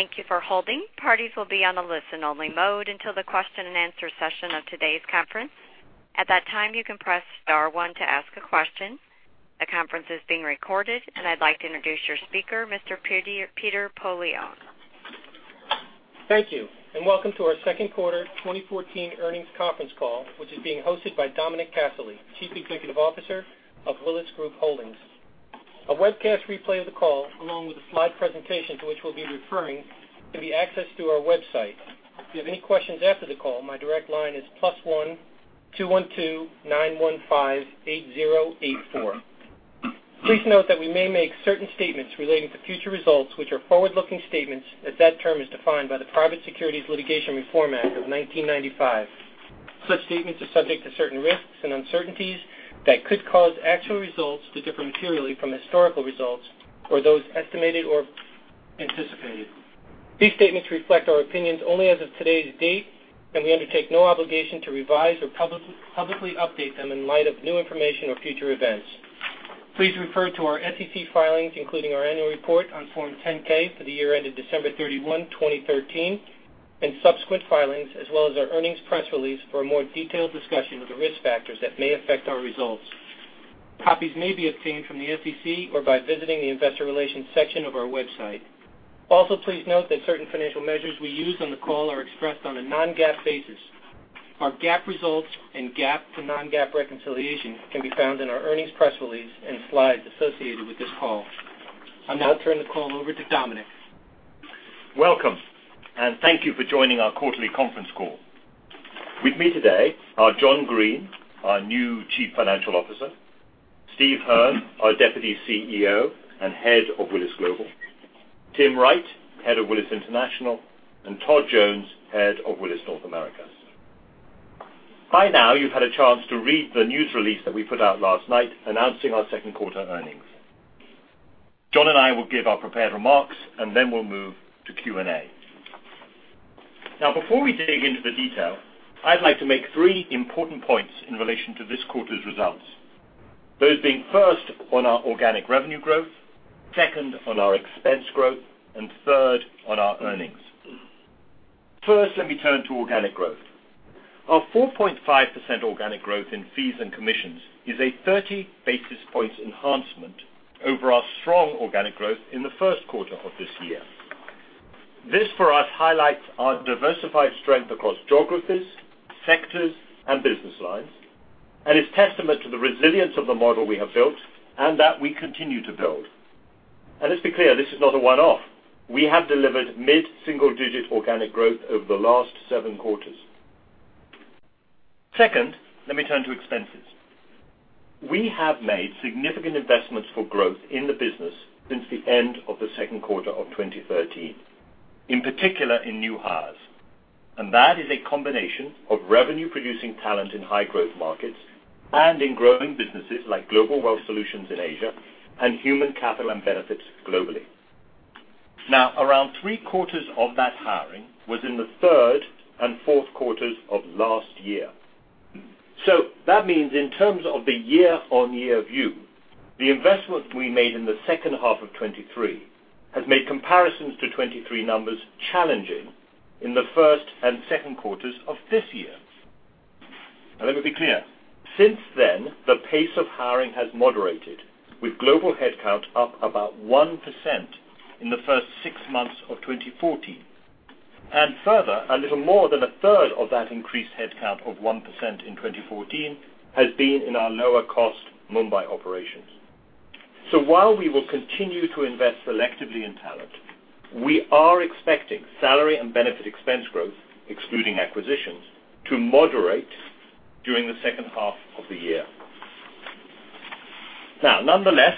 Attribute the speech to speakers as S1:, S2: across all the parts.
S1: Thank you for holding. Parties will be on a listen-only mode until the question and answer session of today's conference. At that time, you can press star one to ask a question. The conference is being recorded, and I'd like to introduce your speaker, Mr. Peter Poillon.
S2: Thank you. Welcome to our second quarter 2014 earnings conference call, which is being hosted by Dominic Casserley, Chief Executive Officer of Willis Group Holdings. A webcast replay of the call, along with the slide presentation to which we'll be referring, can be accessed through our website. If you have any questions after the call, my direct line is +1-212-915-8084. Please note that we may make certain statements relating to future results, which are forward-looking statements as that term is defined by the Private Securities Litigation Reform Act of 1995. Such statements are subject to certain risks and uncertainties that could cause actual results to differ materially from historical results or those estimated or anticipated. These statements reflect our opinions only as of today's date, and we undertake no obligation to revise or publicly update them in light of new information or future events. Please refer to our SEC filings, including our annual report on Form 10-K for the year ended December 31, 2013, and subsequent filings as well as our earnings press release for a more detailed discussion of the risk factors that may affect our results. Copies may be obtained from the SEC or by visiting the investor relations section of our website. Please note that certain financial measures we use on the call are expressed on a non-GAAP basis. Our GAAP results and GAAP to non-GAAP reconciliation can be found in our earnings press release and slides associated with this call. I'll now turn the call over to Dominic.
S3: Welcome. Thank you for joining our quarterly conference call. With me today are John Greene, our new Chief Financial Officer, Steve Hearn, our Deputy CEO and Head of Willis Global, Tim Wright, Head of Willis International, and Todd Jones, Head of Willis North America. By now, you've had a chance to read the news release that we put out last night announcing our second quarter earnings. John and I will give our prepared remarks, and then we'll move to Q&A. Before we dig into the detail, I'd like to make three important points in relation to this quarter's results. Those being first, on our organic revenue growth, second, on our expense growth, and third, on our earnings. First, let me turn to organic growth. Our 4.5% organic growth in fees and commissions is a 30 basis points enhancement over our strong organic growth in the first quarter of this year. This for us highlights our diversified strength across geographies, sectors, and business lines and is testament to the resilience of the model we have built and that we continue to build. Let's be clear, this is not a one-off. We have delivered mid-single digit organic growth over the last seven quarters. Second, let me turn to expenses. We have made significant investments for growth in the business since the end of the second quarter of 2013, in particular in new hires. That is a combination of revenue producing talent in high growth markets and in growing businesses like Global Wealth Solutions in Asia and Human Capital & Benefits globally. Around three quarters of that hiring was in the third and fourth quarters of last year. That means in terms of the year-on-year view, the investment we made in the second half of 2013 has made comparisons to 2013 numbers challenging in the first and second quarters of this year. Let me be clear. Since then, the pace of hiring has moderated with global headcount up about 1% in the first six months of 2014. Further, a little more than a third of that increased headcount of 1% in 2014 has been in our lower cost Mumbai operations. While we will continue to invest selectively in talent, we are expecting salary and benefit expense growth, excluding acquisitions, to moderate during the second half of the year. Nonetheless,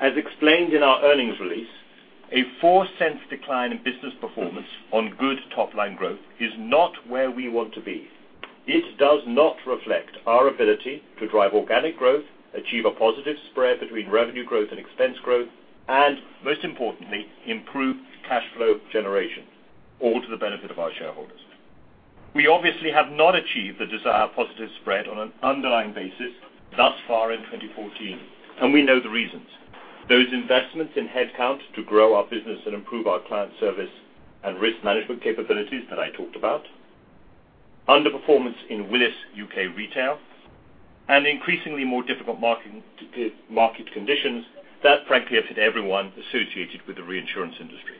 S3: as explained in our earnings release, a $0.04 decline in business performance on good top-line growth is not where we want to be. It does not reflect our ability to drive organic growth, achieve a positive spread between revenue growth and expense growth, and most importantly, improve cash flow generation, all to the benefit of our shareholders. We obviously have not achieved the desired positive spread on an underlying basis thus far in 2014. We know the reasons. Those investments in headcount to grow our business and improve our client service and risk management capabilities that I talked about, underperformance in Willis UK Retail, and increasingly more difficult market conditions that frankly have hit everyone associated with the reinsurance industry.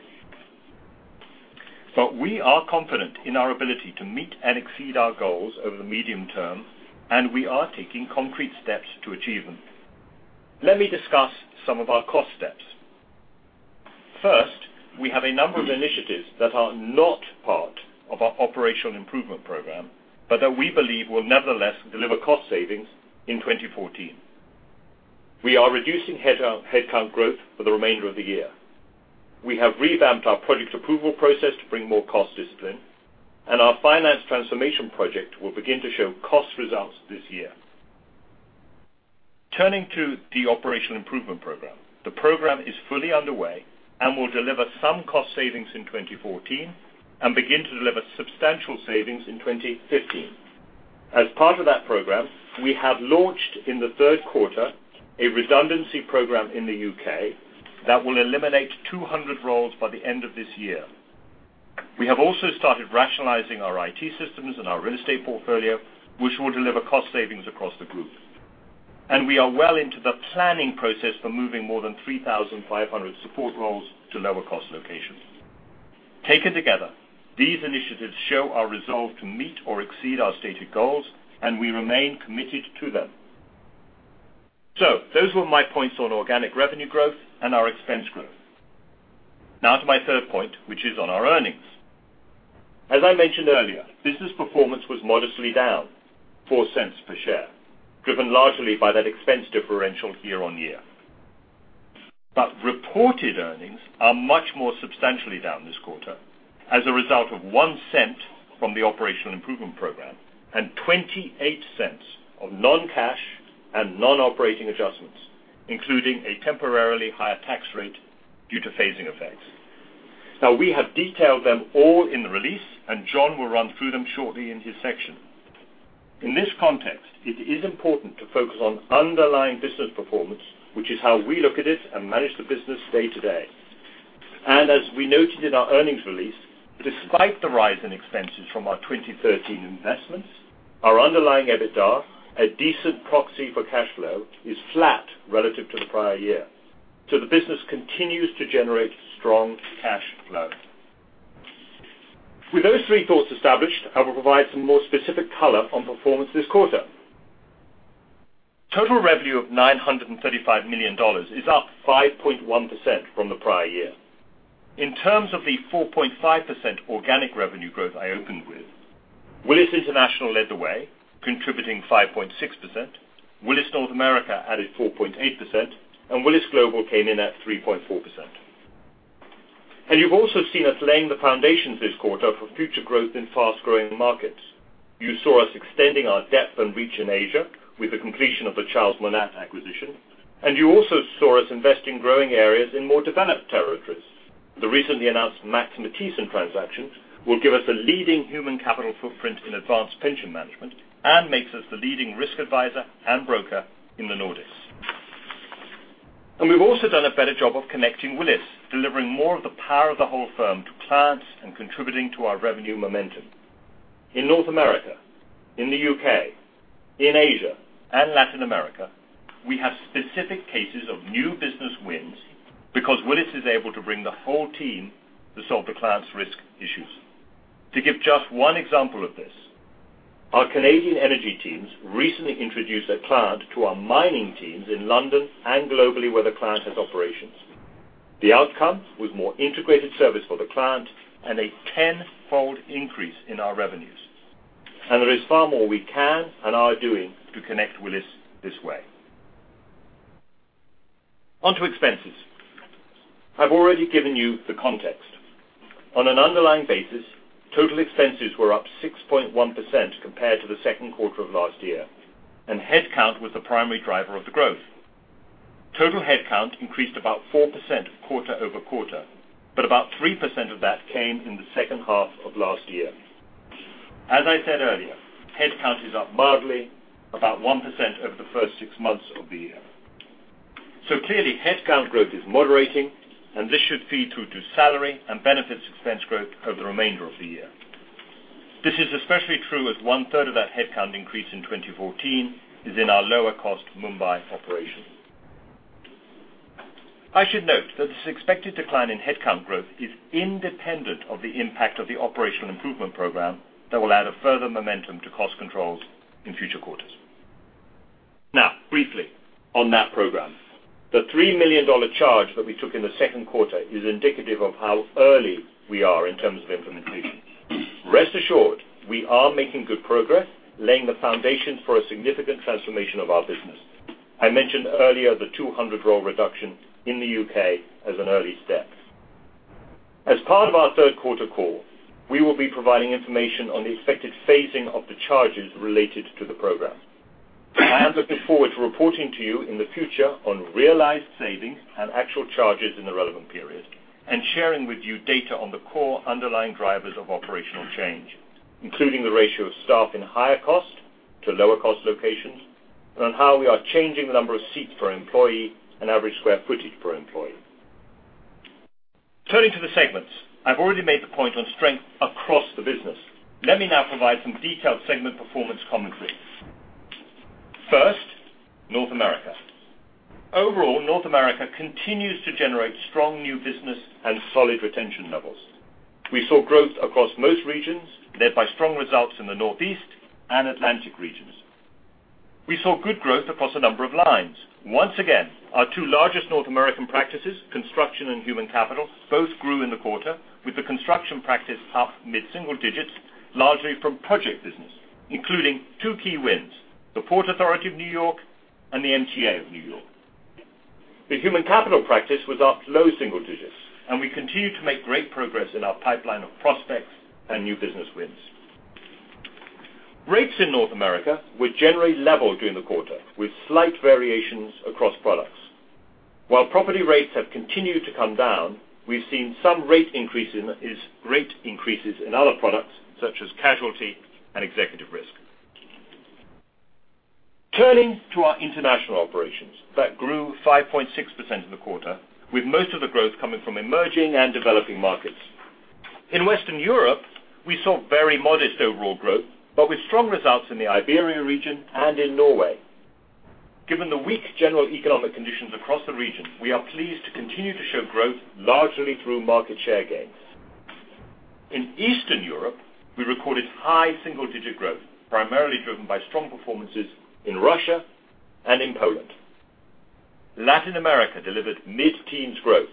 S3: We are confident in our ability to meet and exceed our goals over the medium term, and we are taking concrete steps to achieve them. Let me discuss some of our cost steps. First, we have a number of initiatives that are not part of our Operational Improvement Program, but that we believe will nevertheless deliver cost savings in 2014. We are reducing headcount growth for the remainder of the year. We have revamped our project approval process to bring more cost discipline, and our Finance Transformation Project will begin to show cost results this year. Turning to the Operational Improvement Program. The program is fully underway and will deliver some cost savings in 2014 and begin to deliver substantial savings in 2015. As part of that program, we have launched in the third quarter a redundancy program in the U.K. that will eliminate 200 roles by the end of this year. We have also started rationalizing our IT systems and our real estate portfolio, which will deliver cost savings across the group. We are well into the planning process for moving more than 3,500 support roles to lower cost locations. Taken together, these initiatives show our resolve to meet or exceed our stated goals, and we remain committed to them. Those were my points on organic revenue growth and our expense growth. To my third point, which is on our earnings. As I mentioned earlier, business performance was modestly down $0.04 per share, driven largely by that expense differential year-over-year. Reported earnings are much more substantially down this quarter as a result of $0.01 from the operational improvement program and $0.28 of non-cash and non-operating adjustments, including a temporarily higher tax rate due to phasing effects. We have detailed them all in the release, and John will run through them shortly in his section. In this context, it is important to focus on underlying business performance, which is how we look at it and manage the business day to day. As we noted in our earnings release, despite the rise in expenses from our 2013 investments, our underlying EBITDA, a decent proxy for cash flow, is flat relative to the prior year. The business continues to generate strong cash flow. With those three thoughts established, I will provide some more specific color on performance this quarter. Total revenue of $935 million is up 5.1% from the prior year. In terms of the 4.5% organic revenue growth I opened with, Willis International led the way, contributing 5.6%. Willis North America added 4.8%, and Willis Global came in at 3.4%. You've also seen us laying the foundations this quarter for future growth in fast-growing markets. You saw us extending our depth and reach in Asia with the completion of the Charles Monat acquisition, and you also saw us invest in growing areas in more developed territories. The recently announced Max Matthiessen transaction will give us a leading human capital footprint in advanced pension management and makes us the leading risk advisor and broker in the Nordics. We've also done a better job of Connecting Willis, delivering more of the power of the whole firm to clients and contributing to our revenue momentum. In North America, in the U.K., in Asia, and Latin America, we have specific cases of new business wins because Willis is able to bring the whole team to solve the client's risk issues. To give just one example of this, our Canadian energy teams recently introduced a client to our mining teams in London and globally, where the client has operations. The outcome was more integrated service for the client and a tenfold increase in our revenues. On to expenses. I've already given you the context. On an underlying basis, total expenses were up 6.1% compared to the second quarter of last year, and headcount was the primary driver of the growth. Total headcount increased about 4% quarter-over-quarter, but about 3% of that came in the second half of last year. I said earlier, headcount is up mildly, about 1% over the first six months of the year. Clearly, headcount growth is moderating, and this should feed through to salary and benefits expense growth over the remainder of the year. This is especially true as one-third of that headcount increase in 2014 is in our lower-cost Mumbai operation. I should note that this expected decline in headcount growth is independent of the impact of the operational improvement program that will add a further momentum to cost controls in future quarters. Briefly on that program. The $3 million charge that we took in the second quarter is indicative of how early we are in terms of implementation. Rest assured, we are making good progress, laying the foundation for a significant transformation of our business. I mentioned earlier the 200 role reduction in the U.K. as an early step. As part of our third quarter call, we will be providing information on the expected phasing of the charges related to the program. I am looking forward to reporting to you in the future on realized savings and actual charges in the relevant periods and sharing with you data on the core underlying drivers of operational change, including the ratio of staff in higher cost to lower cost locations and on how we are changing the number of seats per employee and average square footage per employee. Turning to the segments. I've already made the point on strength across the business. Let me now provide some detailed segment performance commentary. First, North America. Overall, North America continues to generate strong new business and solid retention levels. We saw growth across most regions, led by strong results in the Northeast and Atlantic regions. We saw good growth across a number of lines. Once again, our two largest North American practices, construction and Human Capital, both grew in the quarter with the construction practice up mid-single digits, largely from project business, including two key wins: the Port Authority of New York and the MTA of New York. The Human Capital practice was up low single digits, and we continue to make great progress in our pipeline of prospects and new business wins. Rates in North America were generally level during the quarter, with slight variations across products. While property rates have continued to come down, we've seen some rate increases in other products, such as casualty and executive risk. Turning to our international operations, that grew 5.6% in the quarter, with most of the growth coming from emerging and developing markets. In Western Europe, we saw very modest overall growth, but with strong results in the Iberia region and in Norway. Given the weak general economic conditions across the region, we are pleased to continue to show growth largely through market share gains. In Eastern Europe, we recorded high single-digit growth, primarily driven by strong performances in Russia and in Poland. Latin America delivered mid-teens growth,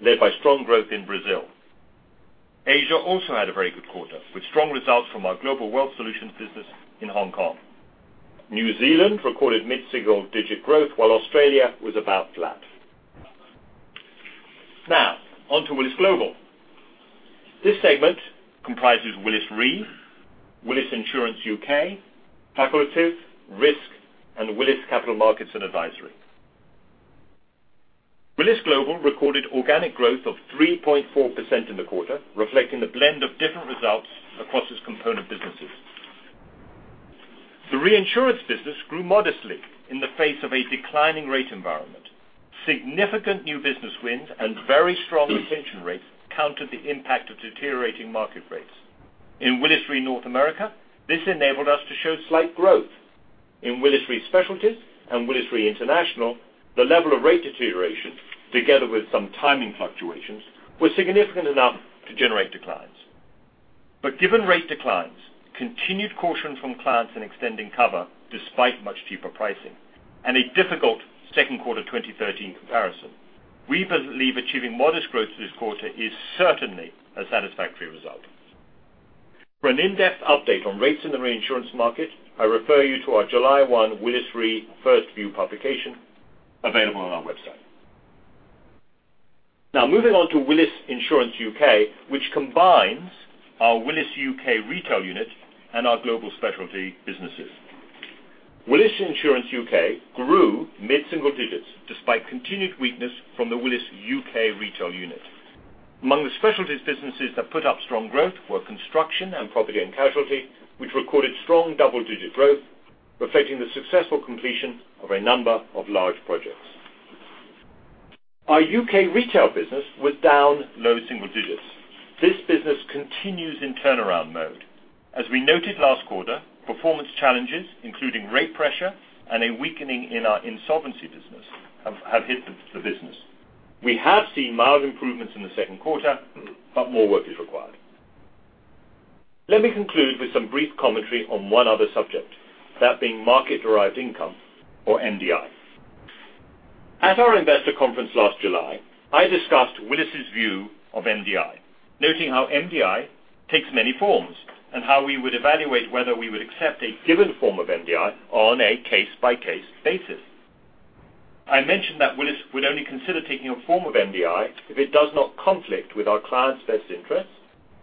S3: led by strong growth in Brazil. Asia also had a very good quarter, with strong results from our Global Wealth Solutions business in Hong Kong. New Zealand recorded mid-single digit growth, while Australia was about flat. On to Willis Global. This segment comprises Willis Re, Willis Insurance U.K., Takaful, Risk, and Willis Capital Markets & Advisory. Willis Global recorded organic growth of 3.4% in the quarter, reflecting the blend of different results across its component businesses. The reinsurance business grew modestly in the face of a declining rate environment. Significant new business wins and very strong retention rates countered the impact of deteriorating market rates. In Willis Re North America, this enabled us to show slight growth. In Willis Re Specialty and Willis Re International, the level of rate deterioration, together with some timing fluctuations, was significant enough to generate declines. Given rate declines, continued caution from clients in extending cover despite much cheaper pricing, and a difficult second quarter 2013 comparison, we believe achieving modest growth this quarter is certainly a satisfactory result. For an in-depth update on rates in the reinsurance market, I refer you to our July 1 Willis Re 1st View publication available on our website. Moving on to Willis Insurance UK, which combines our Willis UK Retail unit and our global specialty businesses. Willis Insurance UK grew mid-single digits despite continued weakness from the Willis UK Retail unit. Among the specialties businesses that put up strong growth were construction and property and casualty, which recorded strong double-digit growth, reflecting the successful completion of a number of large projects. Our U.K. Retail business was down low single digits. This business continues in turnaround mode. As we noted last quarter, performance challenges, including rate pressure and a weakening in our insolvency business, have hit the business. We have seen mild improvements in the second quarter, but more work is required. Let me conclude with some brief commentary on one other subject, that being market-derived income, or MDI. At our investor conference last July, I discussed Willis's view of MDI, noting how MDI takes many forms and how we would evaluate whether we would accept a given form of MDI on a case-by-case basis. I mentioned that Willis would only consider taking a form of MDI if it does not conflict with our clients' best interests,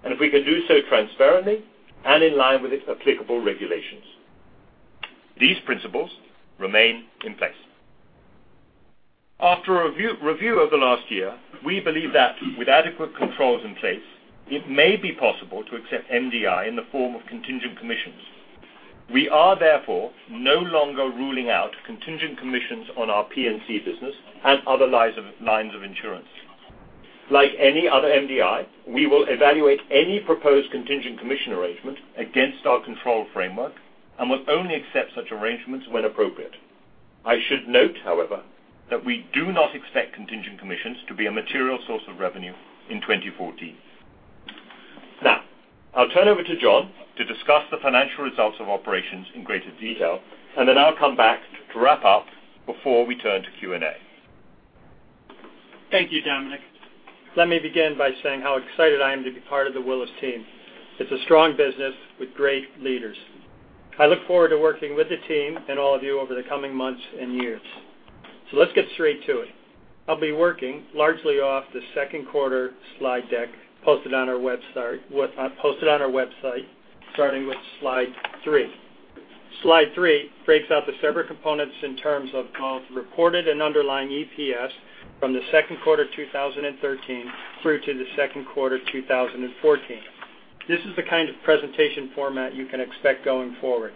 S3: and if we can do so transparently and in line with its applicable regulations. These principles remain in place. After review of the last year, we believe that with adequate controls in place, it may be possible to accept MDI in the form of contingent commissions. We are, therefore, no longer ruling out contingent commissions on our P&C business and other lines of insurance. Like any other MDI, we will evaluate any proposed contingent commission arrangement against our control framework and will only accept such arrangements when appropriate. I should note, however, that we do not expect contingent commissions to be a material source of revenue in 2014. I'll turn over to John to discuss the financial results of operations in greater detail, and then I'll come back to wrap up before we turn to Q&A.
S4: Thank you, Dominic. Let me begin by saying how excited I am to be part of the Willis team. It's a strong business with great leaders. I look forward to working with the team and all of you over the coming months and years. Let's get straight to it. I'll be working largely off the second quarter slide deck posted on our website, starting with slide three. Slide three breaks out the several components in terms of both reported and underlying EPS from the second quarter 2013 through to the second quarter 2014. This is the kind of presentation format you can expect going forward.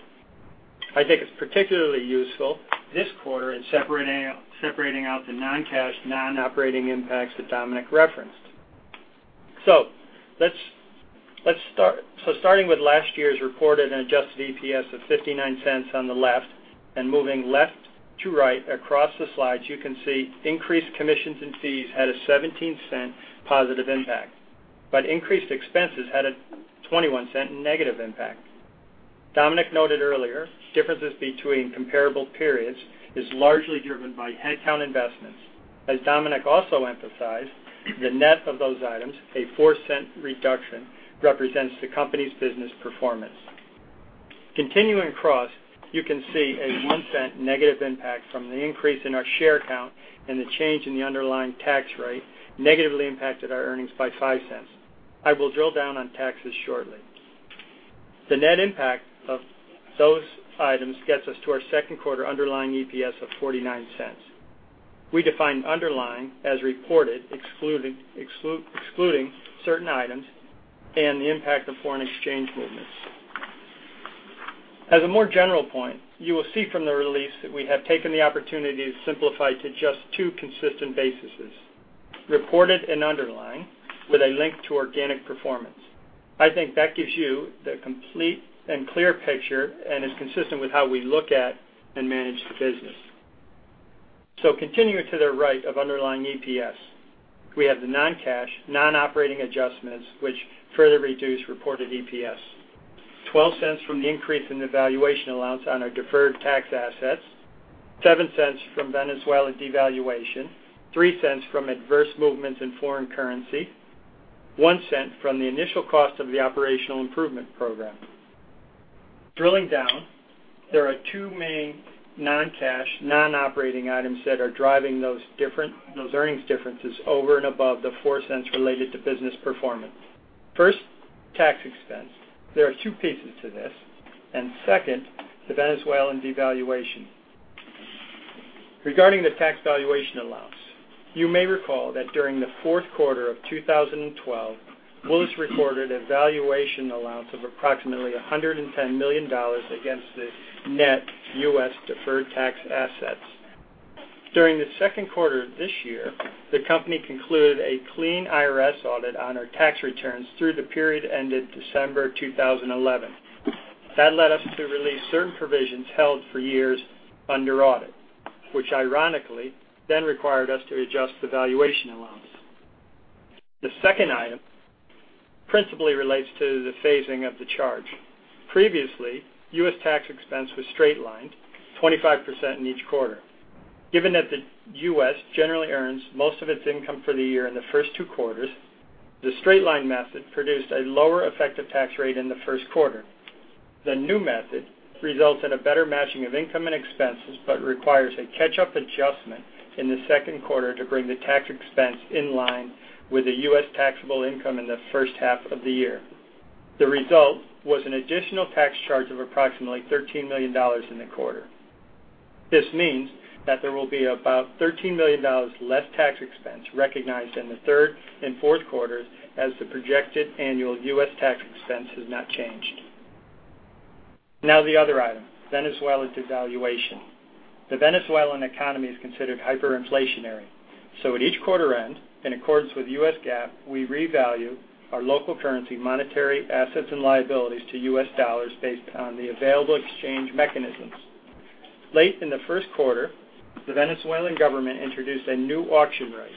S4: I think it's particularly useful this quarter in separating out the non-cash, non-operating impacts that Dominic referenced. Starting with last year's reported and adjusted EPS of $0.59 on the left, and moving left to right across the slides, you can see increased commissions and fees had a $0.17 positive impact, but increased expenses had a $0.21 negative impact. Dominic noted earlier, differences between comparable periods is largely driven by headcount investments. As Dominic also emphasized, the net of those items, a $0.04 reduction, represents the company's business performance. Continuing across, you can see a $0.01 negative impact from the increase in our share count and the change in the underlying tax rate negatively impacted our earnings by $0.05. I will drill down on taxes shortly. The net impact of those items gets us to our second quarter underlying EPS of $0.49. We define underlying as reported, excluding certain items and the impact of foreign exchange movements. As a more general point, you will see from the release that we have taken the opportunity to simplify to just two consistent bases, reported and underlying, with a link to organic performance. Continuing to the right of underlying EPS, we have the non-cash, non-operating adjustments, which further reduce reported EPS. $0.12 from the increase in the valuation allowance on our deferred tax assets, $0.07 from Venezuela devaluation, $0.03 from adverse movements in foreign currency, $0.01 from the initial cost of the operational improvement program. Drilling down, there are two main non-cash, non-operating items that are driving those earnings differences over and above the $0.04 related to business performance. First, tax expense. There are two pieces to this. Second, the Venezuelan devaluation. Regarding the tax valuation allowance, you may recall that during the fourth quarter of 2012, Willis recorded a valuation allowance of approximately $110 million against the net U.S. deferred tax assets. During the second quarter of this year, the company concluded a clean IRS audit on our tax returns through the period ended December 2011. That led us to release certain provisions held for years under audit, which ironically then required us to adjust the valuation allowance. The second item principally relates to the phasing of the charge. Previously, U.S. tax expense was straight-lined 25% in each quarter. Given that the U.S. generally earns most of its income for the year in the first two quarters, the straight line method produced a lower effective tax rate in the first quarter. The new method results in a better matching of income and expenses, requires a catch-up adjustment in the second quarter to bring the tax expense in line with the U.S. taxable income in the first half of the year. The result was an additional tax charge of approximately $13 million in the quarter. This means that there will be about $13 million less tax expense recognized in the third and fourth quarters as the projected annual U.S. tax expense has not changed. The other item, Venezuela's devaluation. The Venezuelan economy is considered hyperinflationary. At each quarter end, in accordance with U.S. GAAP, we revalue our local currency monetary assets and liabilities to U.S. dollars based on the available exchange mechanisms. Late in the first quarter, the Venezuelan government introduced a new auction rate.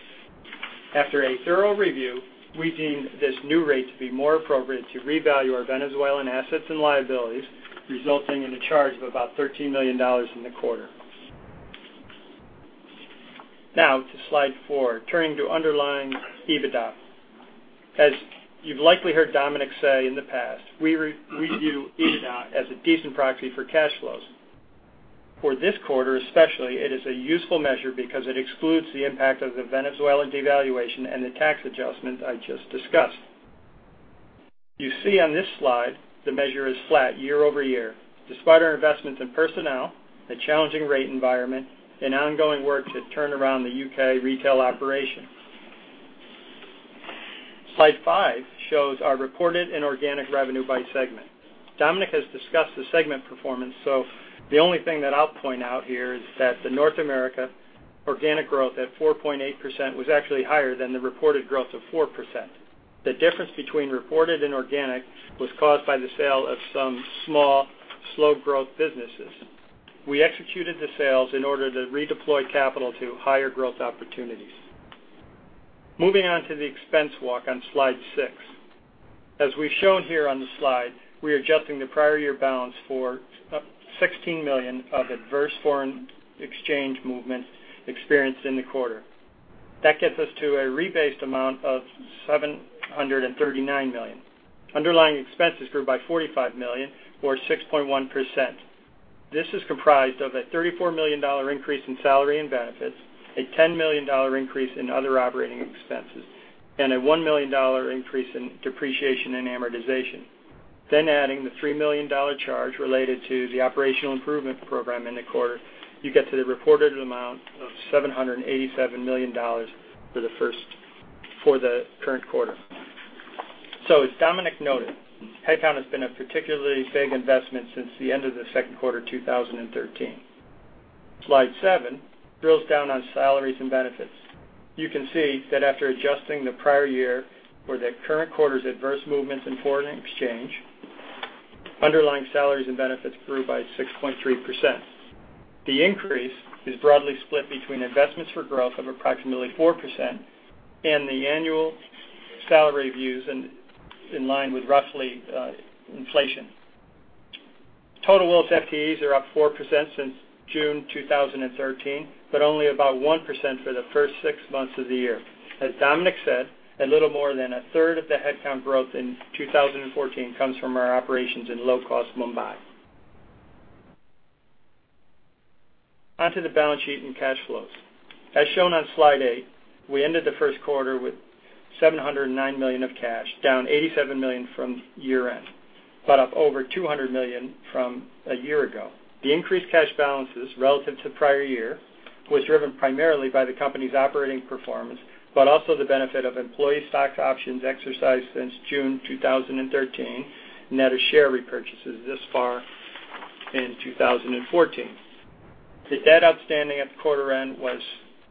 S4: After a thorough review, we deemed this new rate to be more appropriate to revalue our Venezuelan assets and liabilities, resulting in a charge of about $13 million in the quarter. To slide four, turning to underlying EBITDA. As you've likely heard Dominic say in the past, we view EBITDA as a decent proxy for cash flows. For this quarter especially, it is a useful measure because it excludes the impact of the Venezuelan devaluation and the tax adjustment I just discussed. You see on this slide, the measure is flat year-over-year, despite our investments in personnel, a challenging rate environment, and ongoing work to turn around the Willis UK Retail operation. Slide five shows our reported and organic revenue by segment. Dominic has discussed the segment performance, the only thing that I'll point out here is that the Willis North America organic growth at 4.8% was actually higher than the reported growth of 4%. The difference between reported and organic was caused by the sale of some small, slow-growth businesses. We executed the sales in order to redeploy capital to higher growth opportunities. Moving on to the expense walk on slide six. As we've shown here on the slide, we're adjusting the prior year balance for $16 million of adverse foreign exchange movements experienced in the quarter. That gets us to a rebased amount of $739 million. Underlying expenses grew by $45 million or 6.1%. This is comprised of a $34 million increase in salary and benefits, a $10 million increase in other operating expenses, and a $1 million increase in depreciation and amortization. Adding the $3 million charge related to the operational improvement program in the quarter, you get to the reported amount of $787 million for the current quarter. As Dominic noted, headcount has been a particularly big investment since the end of the second quarter 2013. Slide seven drills down on salaries and benefits. You can see that after adjusting the prior year for the current quarter's adverse movements in foreign exchange, underlying salaries and benefits grew by 6.3%. The increase is broadly split between investments for growth of approximately 4% and the annual salary reviews in line with roughly inflation. Total Willis FTEs are up 4% since June 2013, but only about 1% for the first six months of the year. As Dominic said, a little more than a third of the headcount growth in 2014 comes from our operations in low-cost Mumbai. Onto the balance sheet and cash flows. As shown on slide eight, we ended the first quarter with $709 million of cash, down $87 million from year-end, but up over $200 million from a year ago. The increased cash balances relative to prior year was driven primarily by the company's operating performance, but also the benefit of employee stock options exercised since June 2013, net of share repurchases thus far in 2014. The debt outstanding at the quarter end was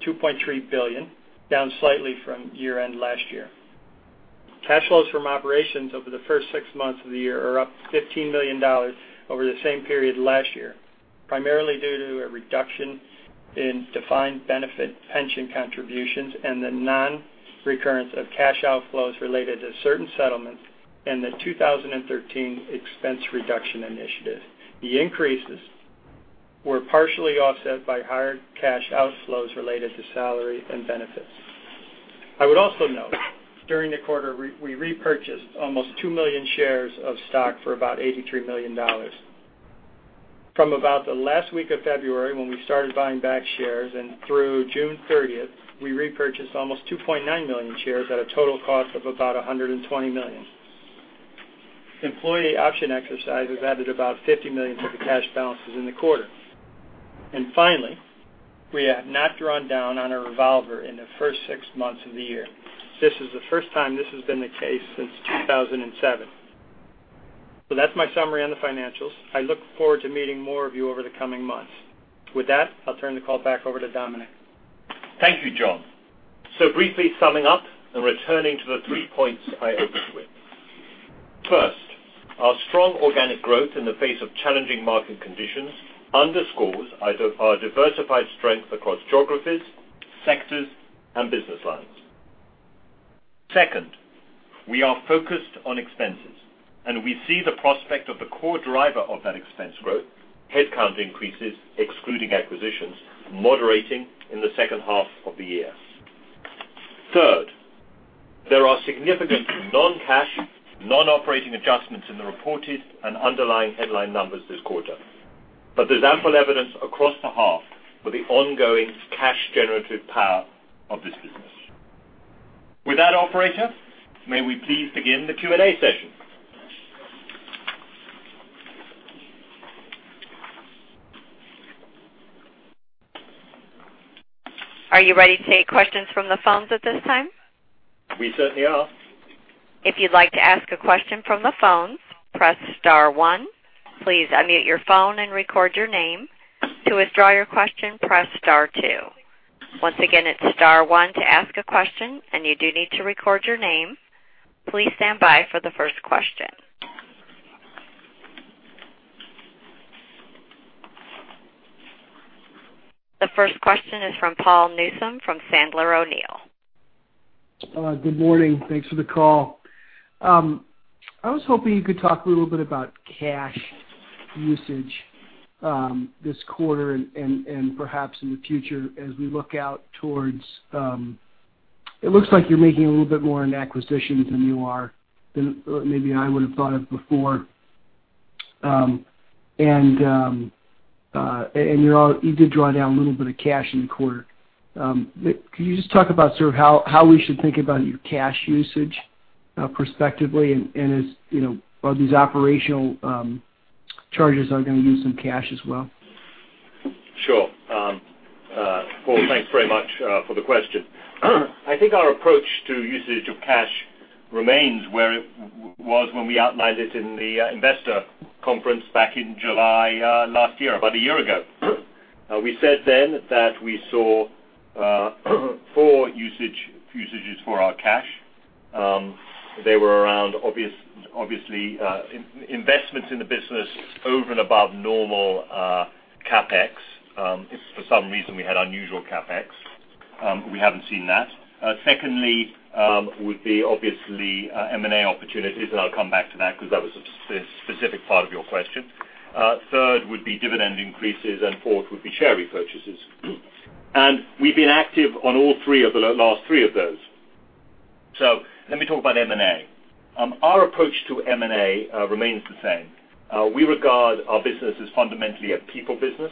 S4: $2.3 billion, down slightly from year-end last year. Cash flows from operations over the first six months of the year are up $15 million over the same period last year, primarily due to a reduction in defined benefit pension contributions and the non-recurrence of cash outflows related to certain settlements and the 2013 expense reduction initiative. The increases were partially offset by higher cash outflows related to salary and benefits. I would also note, during the quarter, we repurchased almost two million shares of stock for about $83 million. From about the last week of February when we started buying back shares and through June 30th, we repurchased almost 2.9 million shares at a total cost of about $120 million. Employee option exercises added about $50 million to the cash balances in the quarter. Finally, we have not drawn down on our revolver in the first six months of the year. This is the first time this has been the case since 2007. That's my summary on the financials. I look forward to meeting more of you over the coming months. With that, I'll turn the call back over to Dominic.
S3: Thank you, John. Briefly summing up and returning to the three points I opened with. First, our strong organic growth in the face of challenging market conditions underscores our diversified strength across geographies, sectors, and business lines. Second, we are focused on expenses, and we see the prospect of the core driver of that expense growth, headcount increases, excluding acquisitions, moderating in the second half of the year. Third, there are significant non-cash, non-operating adjustments in the reported and underlying headline numbers this quarter. There's ample evidence across the half for the ongoing cash generative power of this business. With that operator, may we please begin the Q&A session?
S1: Are you ready to take questions from the phones at this time?
S3: We certainly are.
S1: If you'd like to ask a question from the phones, press star one. Please unmute your phone and record your name. To withdraw your question, press star two. Once again, it's star one to ask a question, and you do need to record your name. Please stand by for the first question. The first question is from Paul Newsome, from Sandler O'Neill.
S5: Good morning. Thanks for the call. I was hoping you could talk a little bit about cash usage this quarter and perhaps in the future as we look out towards. It looks like you're making a little bit more in acquisitions than you are than maybe I would have thought of before. You did draw down a little bit of cash in the quarter. Can you just talk about sort of how we should think about your cash usage prospectively and as these operational charges are going to use some cash as well?
S3: Sure. Paul, thanks very much for the question. I think our approach to usage of cash remains where it was when we outlined it in the investor conference back in July last year, about a year ago. We said then that we saw four usages for our cash. They were around, obviously, investments in the business over and above normal CapEx. If for some reason we had unusual CapEx, we haven't seen that. Secondly, would be obviously, M&A opportunities. I'll come back to that because that was a specific part of your question. Third would be dividend increases. Fourth would be share repurchases. We've been active on all three of the last three of those. Let me talk about M&A. Our approach to M&A remains the same. We regard our business as fundamentally a people business,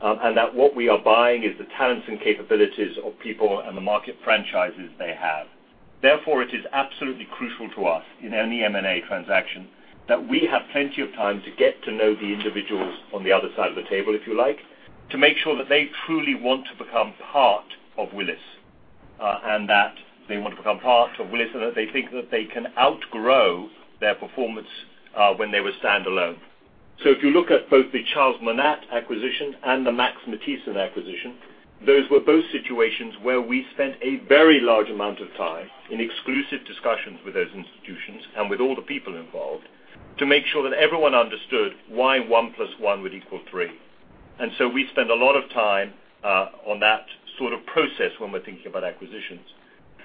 S3: and that what we are buying is the talents and capabilities of people and the market franchises they have. Therefore, it is absolutely crucial to us in any M&A transaction that we have plenty of time to get to know the individuals on the other side of the table, if you like, to make sure that they truly want to become part of Willis, and that they want to become part of Willis, and that they think that they can outgrow their performance when they were standalone. So if you look at both the Charles Monat acquisition and the Max Matthiessen acquisition, those were both situations where we spent a very large amount of time in exclusive discussions with those institutions and with all the people involved to make sure that everyone understood why one plus one would equal three. We spend a lot of time on that sort of process when we're thinking about acquisitions.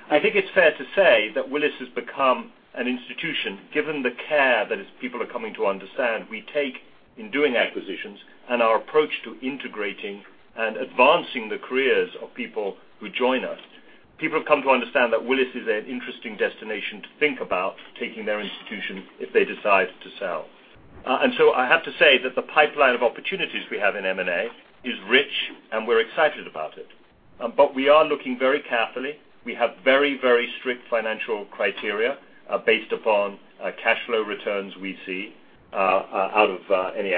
S3: I think it's fair to say that Willis has become an institution, given the care that its people are coming to understand we take in doing acquisitions and our approach to integrating and advancing the careers of people who join us. People have come to understand that Willis is an interesting destination to think about taking their institution if they decide to sell. So I have to say that the pipeline of opportunities we have in M&A is rich, and we're excited about it. But we are looking very carefully. We have very strict financial criteria based upon cash flow returns we see out of any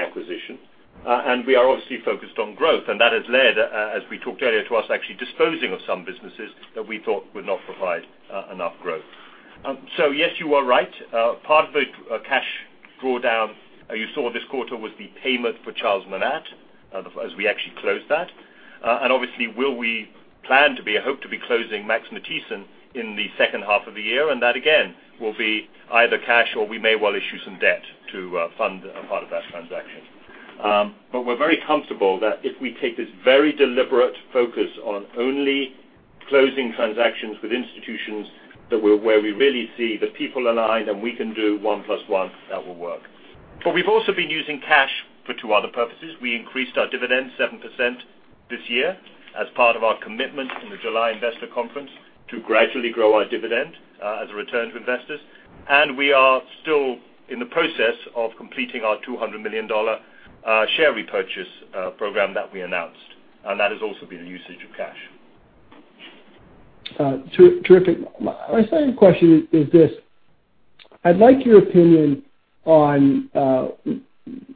S3: acquisition. We are obviously focused on growth, and that has led, as we talked earlier, to us actually disposing of some businesses that we thought would not provide enough growth. So yes, you are right. Part of the cash drawdown you saw this quarter was the payment for Charles Monat as we actually closed that. And obviously, we plan to be and hope to be closing Max Matthiessen in the second half of the year, and that again, will be either cash or we may well issue some debt to fund a part of that transaction. We're very comfortable that if we take this very deliberate focus on only closing transactions with institutions where we really see the people aligned and we can do one plus one, that will work. We've also been using cash for two other purposes. We increased our dividend 7% this year as part of our commitment in the July investor conference to gradually grow our dividend as a return to investors. We are still in the process of completing our $200 million share repurchase program that we announced. That has also been a usage of cash.
S5: Terrific. My second question is this. I'd like your opinion on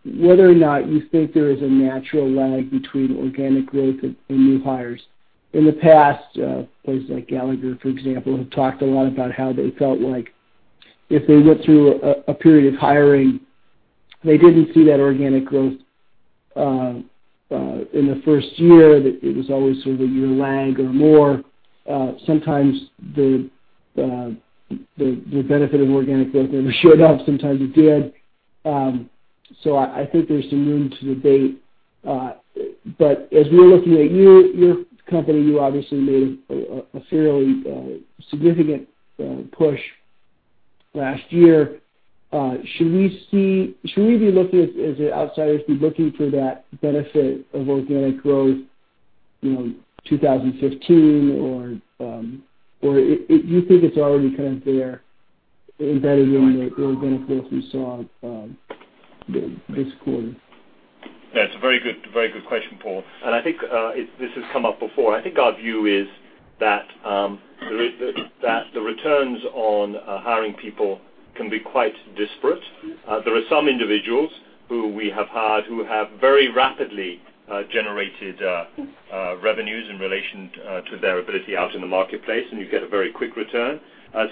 S5: whether or not you think there is a natural lag between organic growth and new hires. In the past, places like Gallagher, for example, have talked a lot about how they felt like if they went through a period of hiring, they didn't see that organic growth in the first year, that it was always sort of a year lag or more. Sometimes the benefit of organic growth never showed up, sometimes it did. I think there's some room to debate. As we're looking at your company, you obviously made a fairly significant push last year. Should we, as outsiders, be looking for that benefit of organic growth in 2015? Or do you think it's already kind of there embedded in the organic growth we saw this quarter?
S3: That's a very good question, Paul. I think this has come up before. I think our view is that the returns on hiring people can be quite disparate. There are some individuals who we have hired who have very rapidly generated revenues in relation to their ability out in the marketplace, and you get a very quick return.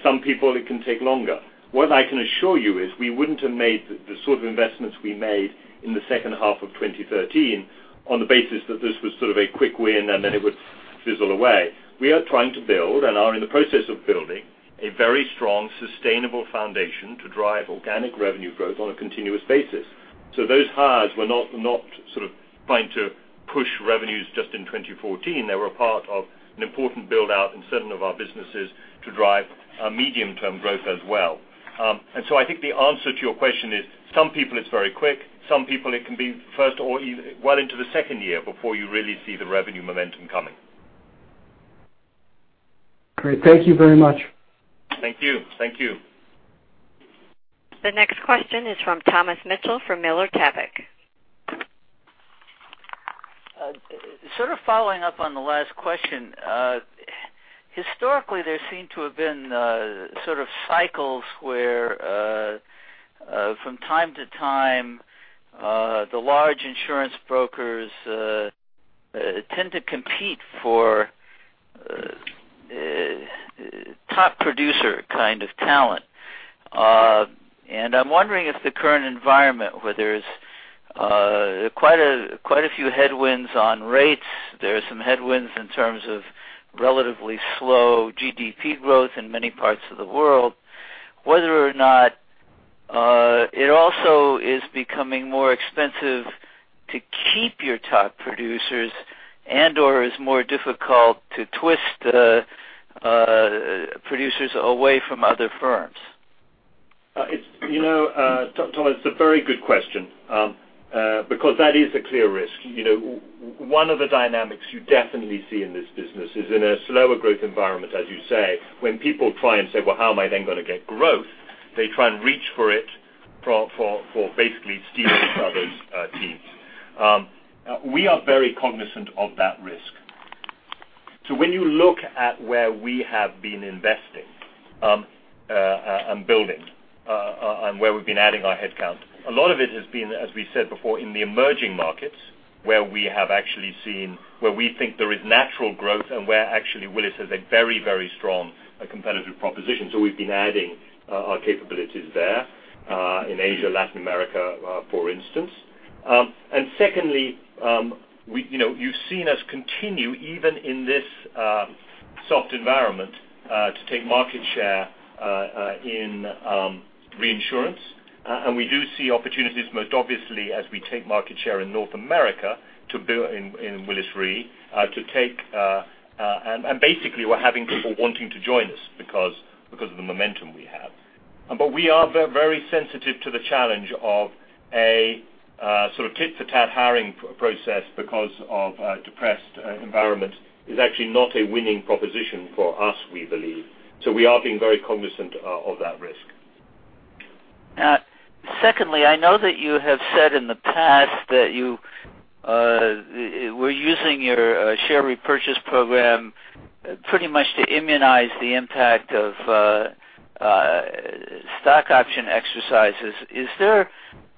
S3: Some people, it can take longer. What I can assure you is we wouldn't have made the sort of investments we made in the second half of 2013 on the basis that this was sort of a quick win and then it would fizzle away. We are trying to build and are in the process of building a very strong, sustainable foundation to drive organic revenue growth on a continuous basis. Those hires were not trying to push revenues just in 2014. They were a part of an important build-out in certain of our businesses to drive medium-term growth as well. I think the answer to your question is some people it's very quick, some people it can be first or well into the second year before you really see the revenue momentum coming.
S5: Great. Thank you very much.
S3: Thank you.
S1: The next question is from Thomas Mitchell for Miller Tabak.
S6: Sort of following up on the last question. Historically, there seem to have been sort of cycles where from time to time the large insurance brokers tend to compete for top producer kind of talent. I'm wondering if the current environment where there's quite a few headwinds on rates, there are some headwinds in terms of relatively slow GDP growth in many parts of the world, whether or not it also is becoming more expensive to keep your top producers and/or is more difficult to twist producers away from other firms.
S3: Thomas, it's a very good question because that is a clear risk. One of the dynamics you definitely see in this business is in a slower growth environment, as you say, when people try and say, "Well, how am I then going to get growth?" They try and reach for it for basically stealing from others' teams. We are very cognizant of that risk. When you look at where we have been investing and building and where we've been adding our headcount, a lot of it has been, as we said before, in the emerging markets where we think there is natural growth and where actually Willis has a very strong competitive proposition. We've been adding our capabilities there in Asia, Latin America, for instance. Secondly, you've seen us continue even in this soft environment to take market share in reinsurance. We do see opportunities most obviously as we take market share in North America in Willis Re. Basically, we're having people wanting to join us because of the momentum we have. We are very sensitive to the challenge of a tit-for-tat hiring process because of a depressed environment is actually not a winning proposition for us, we believe. We are being very cognizant of that risk.
S6: Secondly, I know that you have said in the past that you were using your share repurchase program pretty much to immunize the impact of stock option exercises. Is there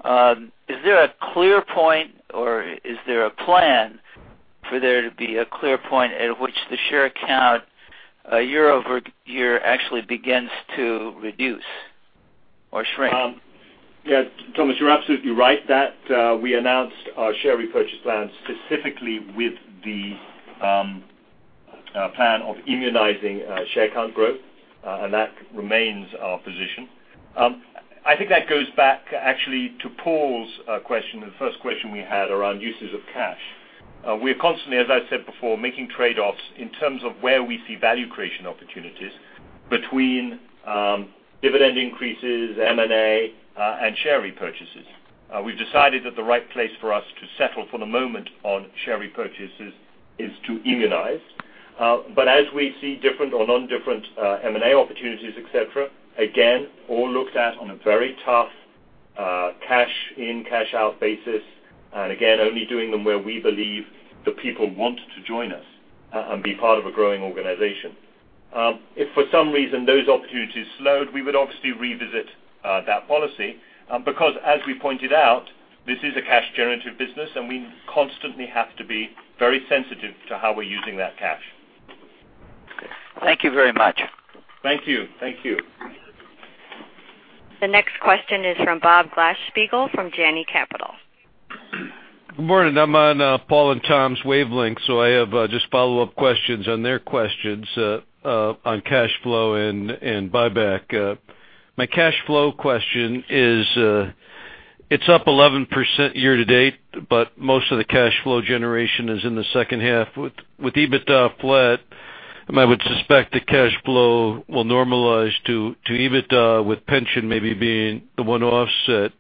S6: a clear point, or is there a plan for there to be a clear point at which the share count year-over-year actually begins to reduce or shrink?
S3: Yes, Thomas, you're absolutely right that we announced our share repurchase plan specifically with the plan of immunizing share count growth, and that remains our position. I think that goes back actually to Paul's question, the first question we had around uses of cash. We are constantly, as I said before, making trade-offs in terms of where we see value creation opportunities between dividend increases, M&A, and share repurchases. We've decided that the right place for us to settle for the moment on share repurchases is to immunize. As we see different or non-different M&A opportunities, et cetera, again, all looked at on a very tough cash in, cash out basis. Again, only doing them where we believe the people want to join us and be part of a growing organization. If for some reason those opportunities slowed, we would obviously revisit that policy. As we pointed out, this is a cash generative business, and we constantly have to be very sensitive to how we're using that cash.
S6: Thank you very much.
S3: Thank you.
S1: The next question is from Bob Glasspiegel from Janney Capital.
S7: Good morning. I'm on Paul and Tom's wavelength, I have just follow-up questions on their questions on cash flow and buyback. My cash flow question is it's up 11% year to date, most of the cash flow generation is in the second half. With EBITDA flat, I would suspect the cash flow will normalize to EBITDA with pension maybe being the one offset.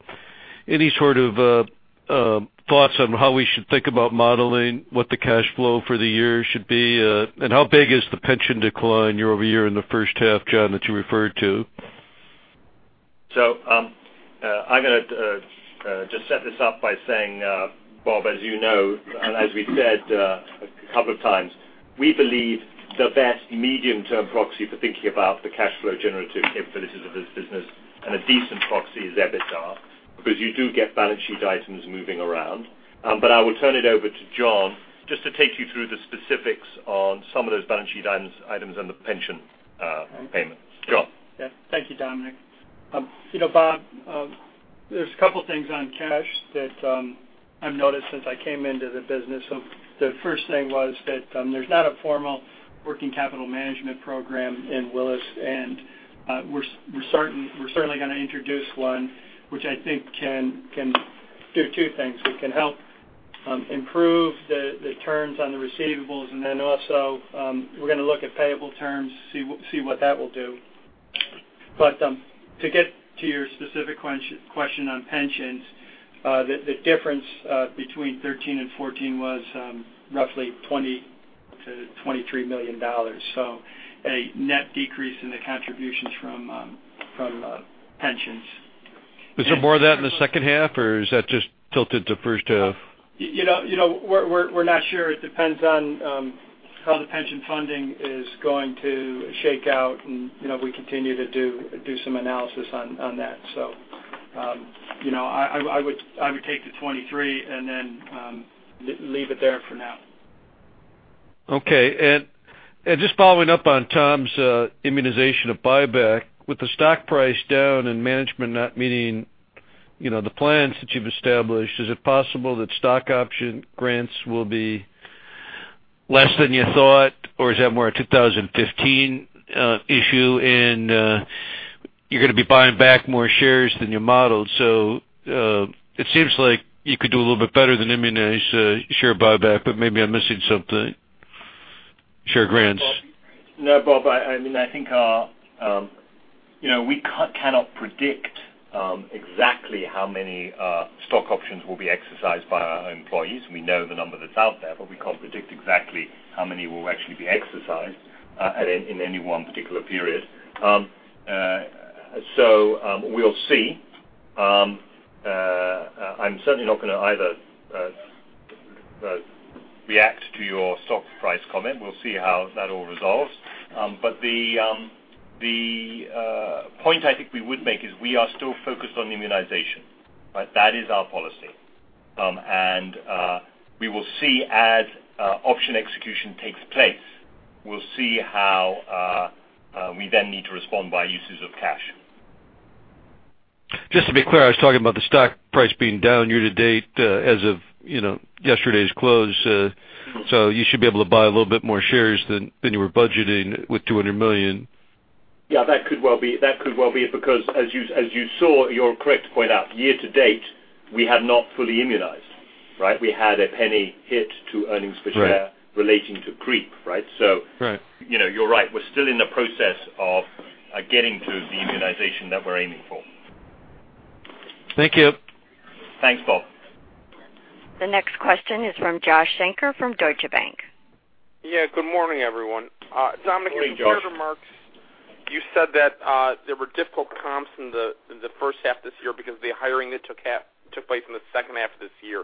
S7: Any sort of thoughts on how we should think about modeling what the cash flow for the year should be? How big is the pension decline year-over-year in the first half, John, that you referred to?
S3: I'm going to just set this up by saying, Bob, as you know, and as we've said a couple of times, we believe the best medium-term proxy for thinking about the cash flow generative capabilities of this business and a decent proxy is EBITDA, because you do get balance sheet items moving around. I will turn it over to John just to take you through the specifics on some of those balance sheet items and the pension payments. John?
S4: Yes. Thank you, Dominic. Bob, there's a couple things on cash that I've noticed since I came into the business. The first thing was that there's not a formal working capital management program in Willis, and we're certainly going to introduce one, which I think can do two things. We can help improve the terms on the receivables, and then also we're going to look at payable terms, see what that will do. To get to your specific question on pensions, the difference between 2013 and 2014 was roughly $20 million-$23 million. A net decrease in the contributions from pensions.
S7: Is there more of that in the second half, or is that just tilted to first half?
S4: We're not sure. It depends on how the pension funding is going to shake out, and we continue to do some analysis on that. I would take the 23 and then leave it there for now.
S7: Okay. Just following up on Tom's immunization of buyback, with the stock price down and management not meeting the plans that you've established, is it possible that stock option grants will be less than you thought? Or is that more a 2015 issue and you're going to be buying back more shares than you modeled? It seems like you could do a little bit better than immunize share buyback, but maybe I'm missing something. Share grants.
S3: No, Bob, I think we cannot predict exactly how many stock options will be exercised by our employees. We know the number that's out there, but we can't predict exactly how many will actually be exercised in any one particular period. We'll see. I'm certainly not going to either react to your stock price comment. We'll see how that all resolves. The point I think we would make is we are still focused on immunization, right? That is our policy. We will see as option execution takes place. We'll see how we then need to respond by uses of cash.
S7: Just to be clear, I was talking about the stock price being down year-to-date as of yesterday's close. You should be able to buy a little bit more shares than you were budgeting with $200 million.
S3: Yeah, that could well be. Because as you saw, you're correct to point out, year-to-date, we have not fully immunized. We had a $0.01 hit to earnings per share.
S4: Right
S3: relating to creep, right?
S4: Right.
S3: You're right. We're still in the process of getting to the immunization that we're aiming for.
S4: Thank you.
S3: Thanks, Bob.
S1: The next question is from Joshua Shanker from Deutsche Bank.
S8: Yeah. Good morning, everyone.
S4: Good morning, Josh.
S8: Dominic, in your remarks, you said that there were difficult comps in the first half this year because the hiring that took place in the second half of this year.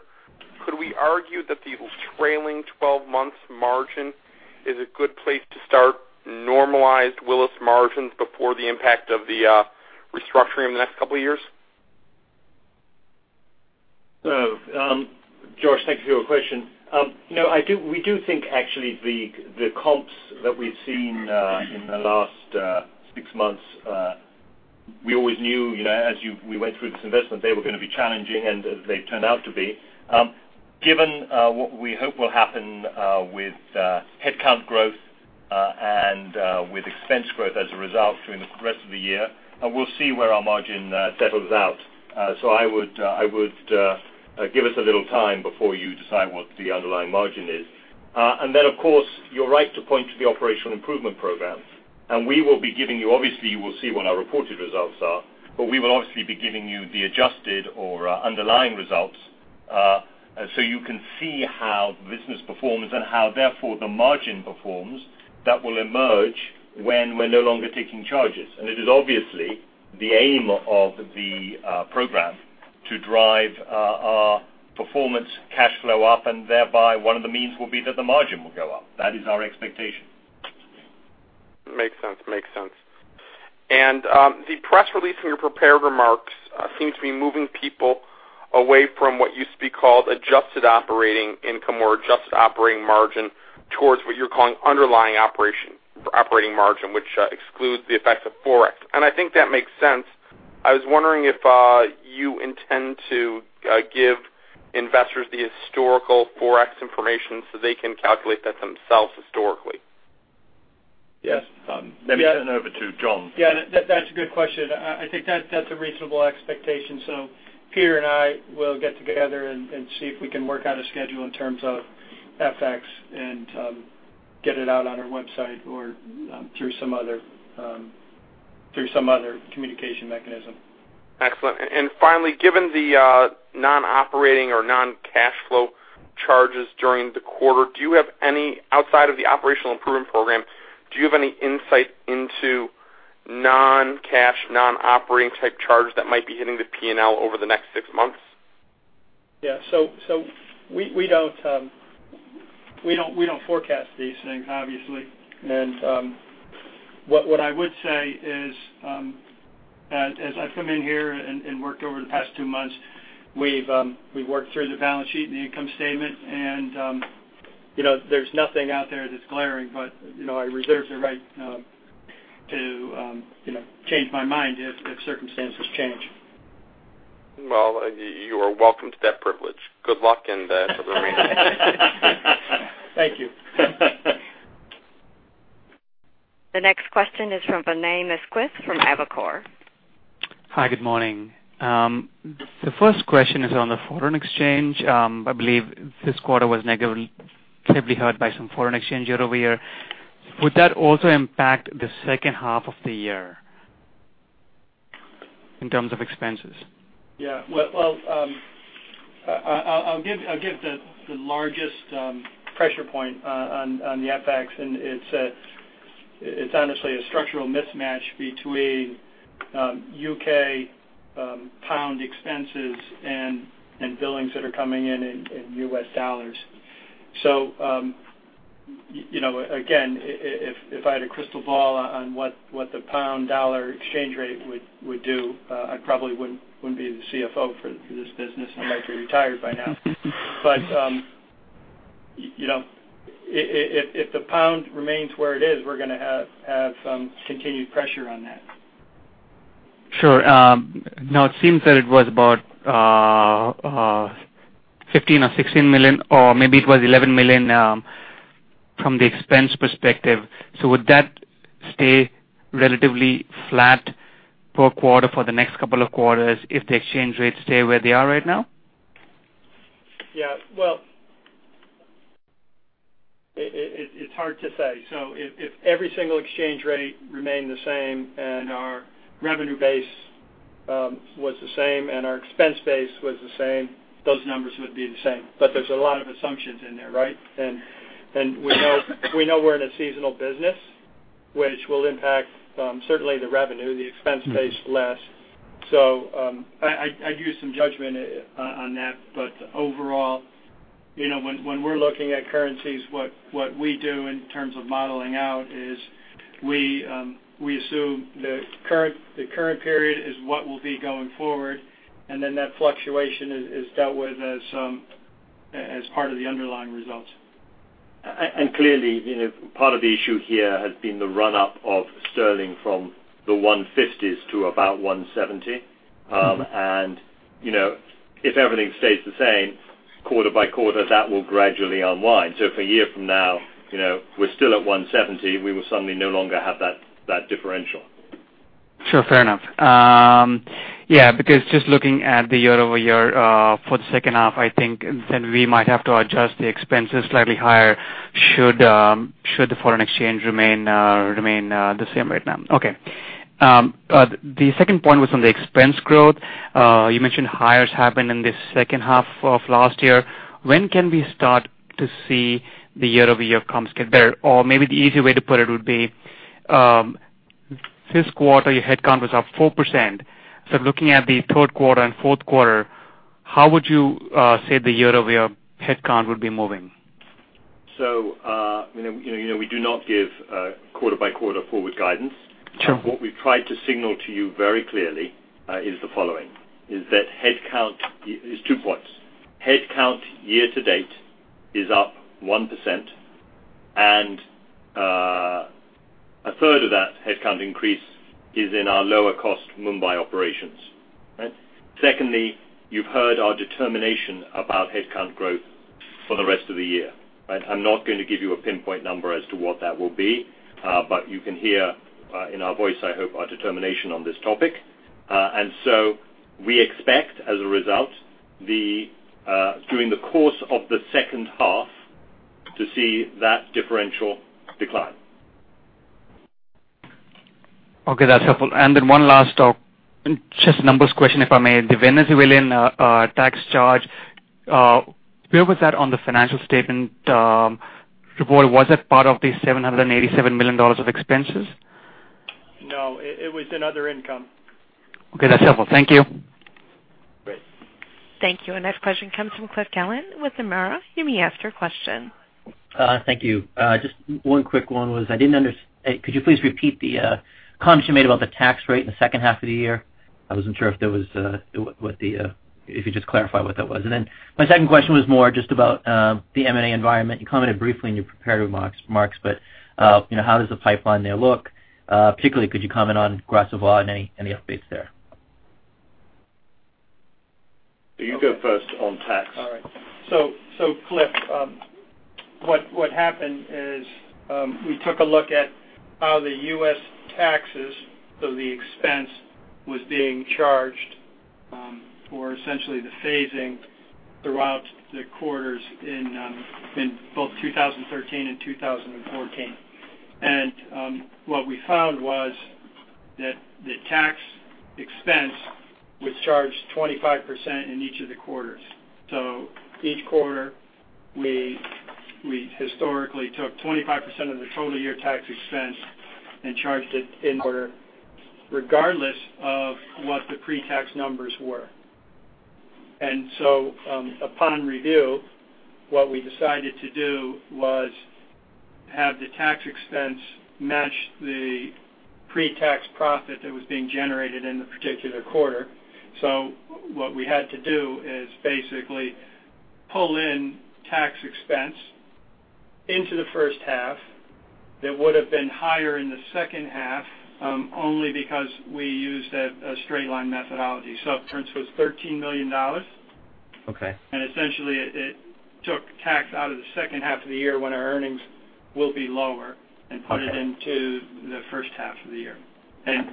S8: Could we argue that the trailing 12 months margin is a good place to start normalized Willis margins before the impact of the restructuring in the next couple of years?
S3: Josh, thank you for your question. We do think, actually, the comps that we've seen in the last 6 months, we always knew as we went through this investment, they were going to be challenging, and they turned out to be. Given what we hope will happen with headcount growth and with expense growth as a result during the rest of the year, we'll see where our margin settles out. I would give us a little time before you decide what the underlying margin is. Then, of course, you're right to point to the operational improvement program. We will be giving you, obviously, you will see when our reported results are, but we will obviously be giving you the adjusted or underlying results, so you can see how the business performs and how, therefore, the margin performs that will emerge when we're no longer taking charges. It is obviously the aim of the program to drive our performance cash flow up, and thereby, one of the means will be that the margin will go up. That is our expectation.
S8: Makes sense. The press release in your prepared remarks seems to be moving people away from what used to be called adjusted operating income or adjusted operating margin towards what you're calling underlying operating margin, which excludes the effects of Forex. I think that makes sense. I was wondering if you intend to give investors the historical Forex information so they can calculate that themselves historically.
S3: Yes. Let me turn over to John.
S4: Yeah, that's a good question. I think that's a reasonable expectation. Peter and I will get together and see if we can work out a schedule in terms of FX and get it out on our website or through some other communication mechanism.
S8: Excellent. Finally, given the non-operating or non-cash flow charges during the quarter, outside of the operational improvement program, do you have any insight into non-cash, non-operating type charge that might be hitting the P&L over the next six months?
S4: Yeah. We don't forecast these things, obviously. What I would say is, as I've come in here and worked over the past two months, we've worked through the balance sheet and the income statement, there's nothing out there that's glaring. I reserve the right to change my mind if circumstances change.
S8: Well, you are welcome to that privilege. Good luck for the remaining time.
S4: Thank you.
S1: The next question is from Vinay Misquith from Evercore.
S9: Hi, good morning. The first question is on the foreign exchange. I believe this quarter was negatively hit by some foreign exchange year-over-year. Would that also impact the second half of the year in terms of expenses?
S4: Yeah. I'll give the largest pressure point on the FX. It's honestly a structural mismatch between U.K. pound expenses and billings that are coming in in U.S. dollars. Again, if I had a crystal ball on what the pound-dollar exchange rate would do, I probably wouldn't be the CFO for this business. I might be retired by now. If the pound remains where it is, we're going to have some continued pressure on that.
S9: Sure. It seems that it was about 15 million or 16 million, or maybe it was 11 million from the expense perspective. Would that stay relatively flat per quarter for the next couple of quarters if the exchange rates stay where they are right now?
S4: Yeah. Well, it's hard to say. If every single exchange rate remained the same and our revenue base was the same, and our expense base was the same, those numbers would be the same. There's a lot of assumptions in there, right? We know we're in a seasonal business, which will impact certainly the revenue, the expense base less. I'd use some judgment on that. Overall, when we're looking at currencies, what we do in terms of modeling out is we assume the current period is what will be going forward, and then that fluctuation is dealt with as part of the underlying results.
S3: Clearly, part of the issue here has been the run-up of sterling from the $1.50s to about $1.70. If everything stays the same quarter by quarter, that will gradually unwind. If a year from now, we're still at $1.70, we will suddenly no longer have that differential.
S9: Sure, fair enough. Yeah, because just looking at the year-over-year for the second half, I think then we might have to adjust the expenses slightly higher should the foreign exchange remain the same right now. Okay. The second point was on the expense growth. You mentioned hires happened in the second half of last year. When can we start to see the year-over-year comps get better? Or maybe the easier way to put it would be, this quarter, your headcount was up 4%. Looking at the third quarter and fourth quarter, how would you say the year-over-year headcount would be moving?
S3: We do not give quarter-by-quarter forward guidance.
S9: Sure.
S3: What we've tried to signal to you very clearly is the following. There's two points. Headcount year to date is up 1%, and a third of that headcount increase is in our lower cost Mumbai operations. Secondly, you've heard our determination about headcount growth for the rest of the year, right? I'm not going to give you a pinpoint number as to what that will be, but you can hear in our voice, I hope, our determination on this topic. We expect, as a result, during the course of the second half, to see that differential decline.
S9: Okay, that's helpful. One last just numbers question, if I may. The Venezuelan tax charge, where was that on the financial statement report? Was that part of the $787 million of expenses?
S4: No, it was in other income.
S9: Okay, that's helpful. Thank you.
S4: Great.
S1: Thank you. Our next question comes from Cliff Gallant with Nomura. You may ask your question.
S10: Thank you. Just one quick one was could you please repeat the comments you made about the tax rate in the second half of the year? I wasn't sure if you could just clarify what that was. My second question was more just about the M&A environment. You commented briefly in your prepared remarks. How does the pipeline there look? Particularly, could you comment on Gras Savoye and any updates there?
S3: You go first on tax.
S4: All right. Cliff, what happened is, we took a look at how the U.S. taxes of the expense was being charged for essentially the phasing throughout the quarters in both 2013 and 2014. What we found was that the tax expense was charged 25% in each of the quarters. Each quarter, we historically took 25% of the total year tax expense and charged it in order regardless of what the pre-tax numbers were. Upon review, what we decided to do was have the tax expense match the pre-tax profit that was being generated in the particular quarter. What we had to do is basically pull in tax expense into the first half that would've been higher in the second half, only because we used a straight line methodology. Difference was $13 million.
S10: Okay.
S4: Essentially it took tax out of the second half of the year when our earnings will be lower and put it into the first half of the year.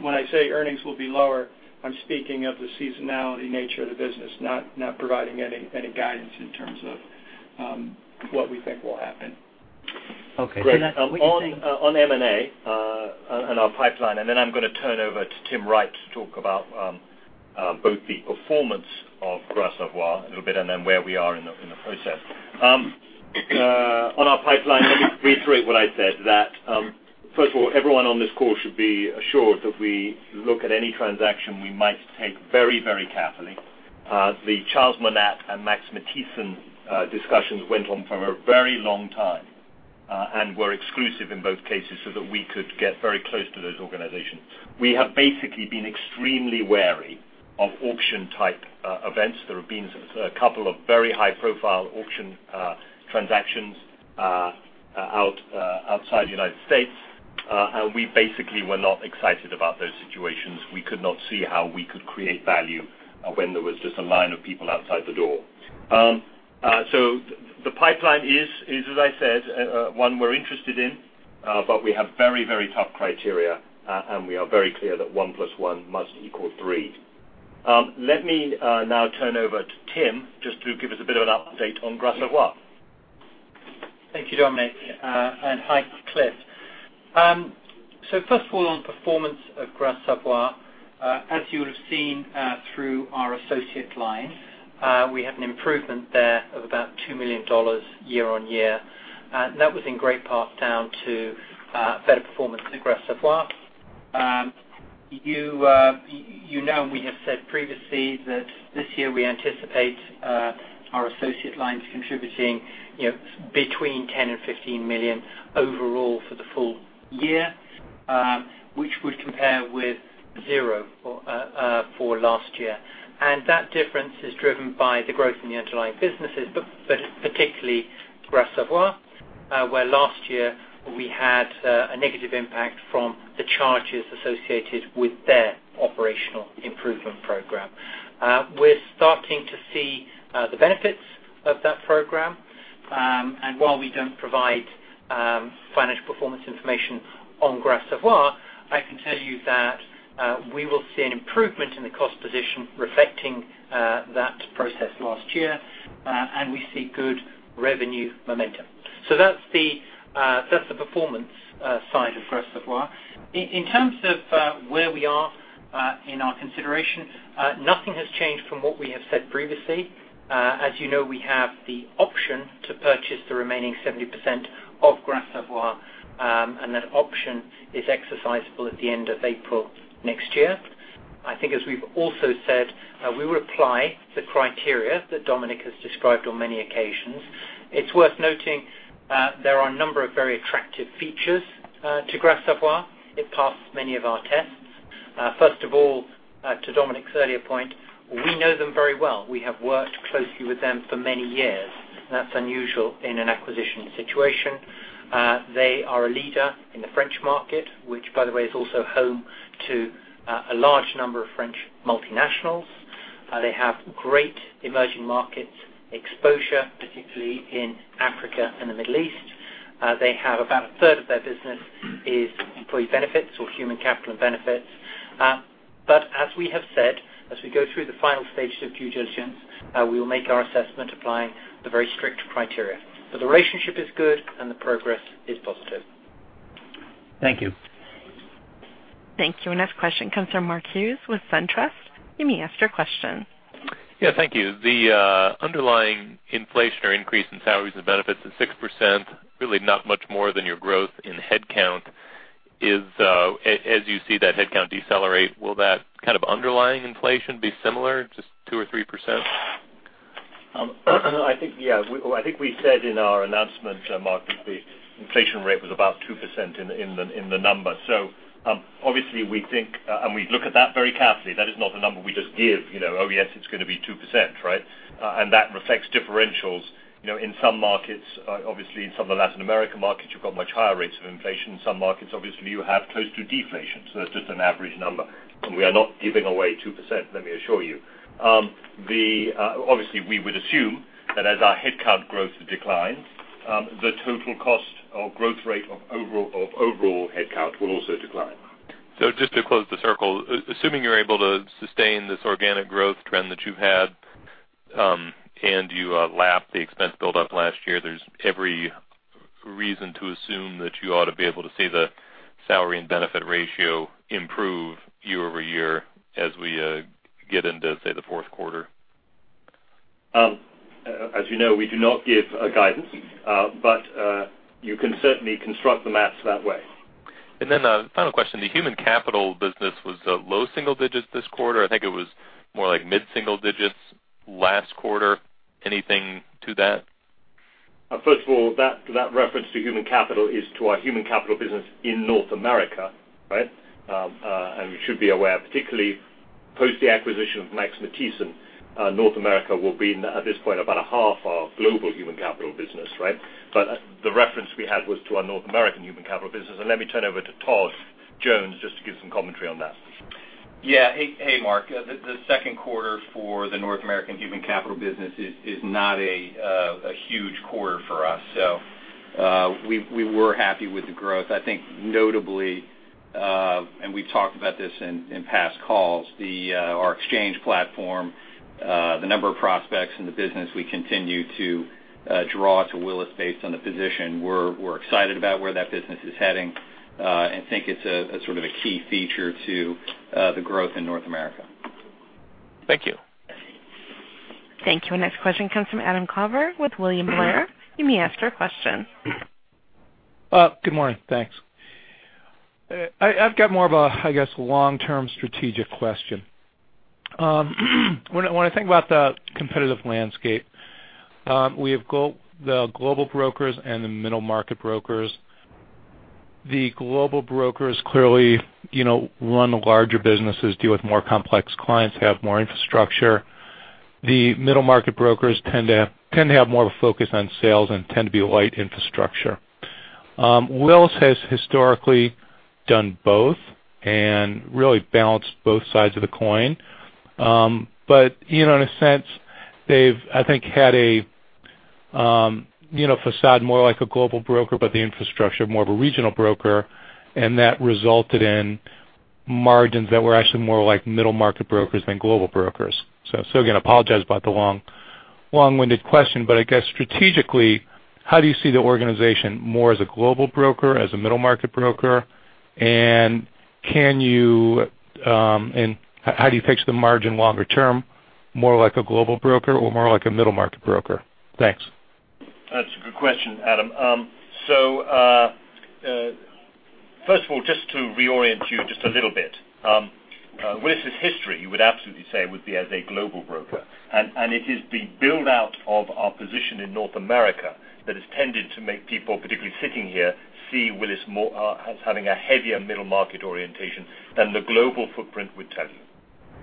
S4: When I say earnings will be lower, I'm speaking of the seasonality nature of the business, not providing any guidance in terms of what we think will happen.
S10: Okay.
S3: On M&A and our pipeline, and then I'm going to turn over to Tim Wright to talk about both the performance of Gras Savoye a little bit and then where we are in the process. On our pipeline, let me reiterate what I said that, first of all, everyone on this call should be assured that we look at any transaction we might take very carefully. The Charles Monat and Max Matthiessen discussions went on for a very long time, and were exclusive in both cases so that we could get very close to those organizations. We have basically been extremely wary of auction type events. There have been a couple of very high-profile auction transactions outside the U.S., and we basically were not excited about those situations. We could not see how we could create value when there was just a line of people outside the door. The pipeline is, as I said, one we're interested in, but we have very tough criteria, and we are very clear that one plus one must equal three. Let me now turn over to Tim just to give us a bit of an update on Gras Savoye.
S11: Thank you, Dominic, and hi, Cliff. First of all, on performance of Gras Savoye, as you would've seen through our associate line, we have an improvement there of about $2 million year-over-year. That was in great part down to better performance at Gras Savoye. You know we have said previously that this year we anticipate our associate lines contributing between $10 million and $15 million overall for the full year, which would compare with 0 for last year. That difference is driven by the growth in the underlying businesses, but particularly Gras Savoye, where last year we had a negative impact from the charges associated with their operational improvement program. We're starting to see the benefits of that program. While we don't provide financial performance information on Gras Savoye, I can tell you that we will see an improvement in the cost position reflecting that process last year, and we see good revenue momentum. That's the performance side of Gras Savoye. In terms of where we are in our consideration, nothing has changed from what we have said previously. As you know, we have the option to purchase the remaining 70% of Gras Savoye, and that option is exercisable at the end of April next year. I think as we've also said, we will apply the criteria that Dominic has described on many occasions. It's worth noting there are a number of very attractive features to Gras Savoye. It passed many of our tests. First of all, to Dominic's earlier point, we know them very well. We have worked closely with them for many years.
S3: That's unusual in an acquisition situation. They are a leader in the French market, which, by the way, is also home to a large number of French multinationals. They have great emerging markets exposure, particularly in Africa and the Middle East. They have about a third of their business is employee benefits or Human Capital & Benefits. As we have said, as we go through the final stages of due diligence, we will make our assessment applying the very strict criteria. The relationship is good, and the progress is positive.
S11: Thank you.
S1: Thank you. Our next question comes from Mark Hughes with SunTrust. You may ask your question.
S12: Yeah, thank you. The underlying inflation or increase in salaries and benefits is 6%, really not much more than your growth in headcount. As you see that headcount decelerate, will that kind of underlying inflation be similar, just 2% or 3%?
S3: No, I think, yeah. I think we said in our announcement, Mark, that the inflation rate was about 2% in the numbers. Obviously, we think, and we look at that very carefully. That is not a number we just give, oh, yes, it's going to be 2%, right? That reflects differentials. In some markets, obviously in some of the Latin America markets, you've got much higher rates of inflation. In some markets, obviously, you have close to deflation. That's just an average number. We are not giving away 2%, let me assure you. Obviously, we would assume that as our headcount growth declines, the total cost or growth rate of overall headcount will also decline.
S12: Just to close the circle, assuming you're able to sustain this organic growth trend that you've had, and you lap the expense build up last year, there's every reason to assume that you ought to be able to see the salary and benefit ratio improve year-over-year as we get into, say, the fourth quarter.
S3: As you know, we do not give guidance. You can certainly construct the math that way.
S12: A final question. The human capital business was low single digits this quarter. I think it was more like mid-single digits last quarter. Anything to that?
S3: First of all, that reference to human capital is to our human capital business in North America. You should be aware, particularly post the acquisition of Max Matthiessen, North America will be, at this point, about a half our global human capital business. The reference we had was to our North American human capital business. Let me turn over to Todd Jones just to give some commentary on that.
S13: Yeah. Hey, Mark. The second quarter for the North American human capital business is not a huge quarter for us, so we were happy with the growth. I think notably, and we have talked about this in past calls, our exchange platform, the number of prospects in the business we continue to draw to Willis based on the position. We're excited about where that business is heading and think it's a key feature to the growth in North America.
S12: Thank you.
S1: Thank you. Our next question comes from Adam Klauber with William Blair. You may ask your question.
S14: Good morning. Thanks. I've got more of a, I guess, long-term strategic question. When I think about the competitive landscape, we have the global brokers and the middle-market brokers. The global brokers clearly run the larger businesses, deal with more complex clients, have more infrastructure. The middle-market brokers tend to have more of a focus on sales and tend to be a light infrastructure. Willis has historically done both and really balanced both sides of the coin. But in a sense, they've, I think, had a facade more like a global broker, but the infrastructure more of a regional broker, and that resulted in margins that were actually more like middle-market brokers than global brokers. Again, apologize about the long-winded question, but I guess strategically, how do you see the organization more as a global broker, as a middle-market broker? How do you fix the margin longer term, more like a global broker or more like a middle-market broker? Thanks.
S3: First of all, just to reorient you just a little bit. Willis's history, you would absolutely say, would be as a global broker. It is the build-out of our position in North America that has tended to make people, particularly sitting here, see Willis as having a heavier middle-market orientation than the global footprint would tell you.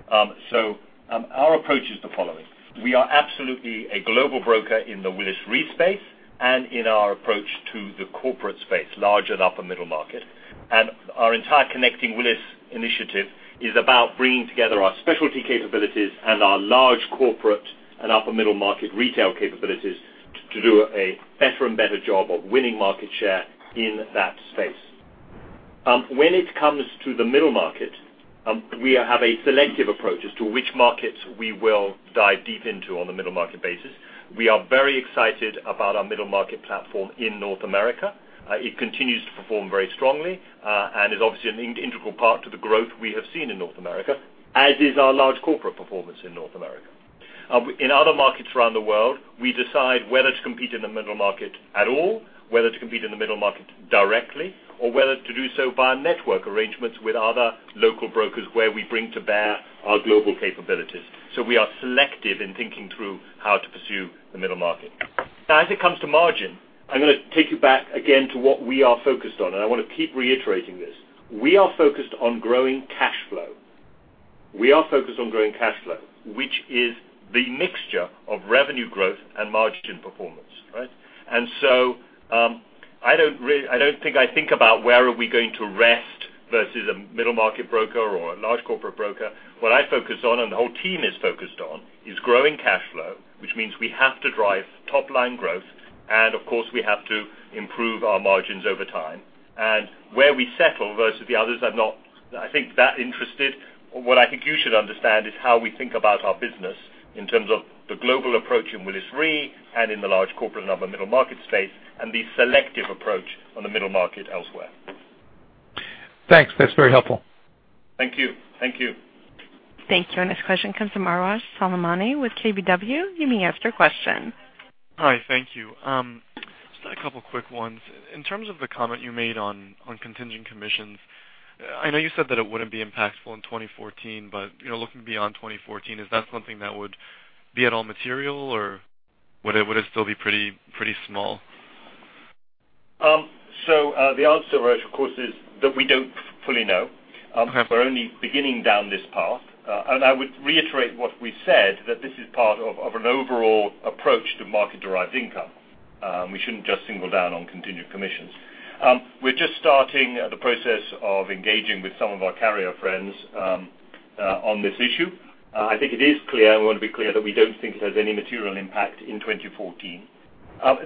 S3: Our approach is the following. We are absolutely a global broker in the Willis Re space and in our approach to the corporate space, large and upper middle market. Our entire Connecting Willis initiative is about bringing together our specialty capabilities and our large corporate and upper middle-market retail capabilities to do a better and better job of winning market share in that space. When it comes to the middle market, we have a selective approach as to which markets we will dive deep into on the middle market basis. We are very excited about our middle market platform in North America. It continues to perform very strongly, and is obviously an integral part to the growth we have seen in North America, as is our large corporate performance in North America. In other markets around the world, we decide whether to compete in the middle market at all, whether to compete in the middle market directly, or whether to do so via network arrangements with other local brokers where we bring to bear our global capabilities. We are selective in thinking through how to pursue the middle market. As it comes to margin, I'm going to take you back again to what we are focused on, and I want to keep reiterating this. We are focused on growing cash flow. We are focused on growing cash flow, which is the mixture of revenue growth and margin performance. Right? I don't think about where are we going to rest versus a middle-market broker or a large corporate broker. What I focus on, and the whole team is focused on, is growing cash flow, which means we have to drive top-line growth, and of course, we have to improve our margins over time. Where we settle versus the others, I'm not, I think, that interested. What I think you should understand is how we think about our business in terms of the global approach in Willis Re and in the large corporate and upper middle market space, and the selective approach on the middle market elsewhere.
S14: Thanks. That's very helpful.
S3: Thank you.
S1: Thank you. Our next question comes from Arash Salemi with KBW. You may ask your question.
S15: Hi. Thank you. Just a couple quick ones. In terms of the comment you made on contingent commissions, I know you said that it wouldn't be impactful in 2014, but looking beyond 2014, is that something that would be at all material, or would it still be pretty small?
S3: The answer, Arash, of course, is that we don't fully know.
S15: Okay.
S3: We're only beginning down this path. I would reiterate what we said, that this is part of an overall approach to market-derived income. We shouldn't just single down on contingent commissions. We're just starting the process of engaging with some of our carrier friends on this issue. I think it is clear, and we want to be clear that we don't think it has any material impact in 2014.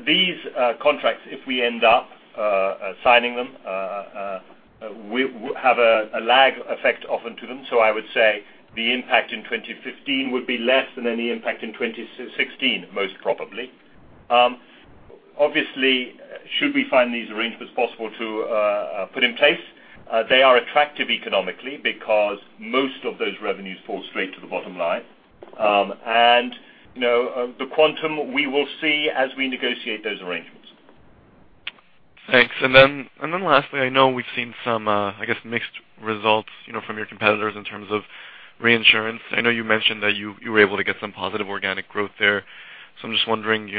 S3: These contracts, if we end up signing them, have a lag effect often to them. I would say the impact in 2015 would be less than any impact in 2016, most probably. Obviously, should we find these arrangements possible to put in place, they are attractive economically because most of those revenues fall straight to the bottom line. The quantum we will see as we negotiate those arrangements.
S15: Thanks. Then lastly, I know we've seen some, I guess, mixed results from your competitors in terms of reinsurance. I know you mentioned that you were able to get some positive organic growth there. I'm just wondering,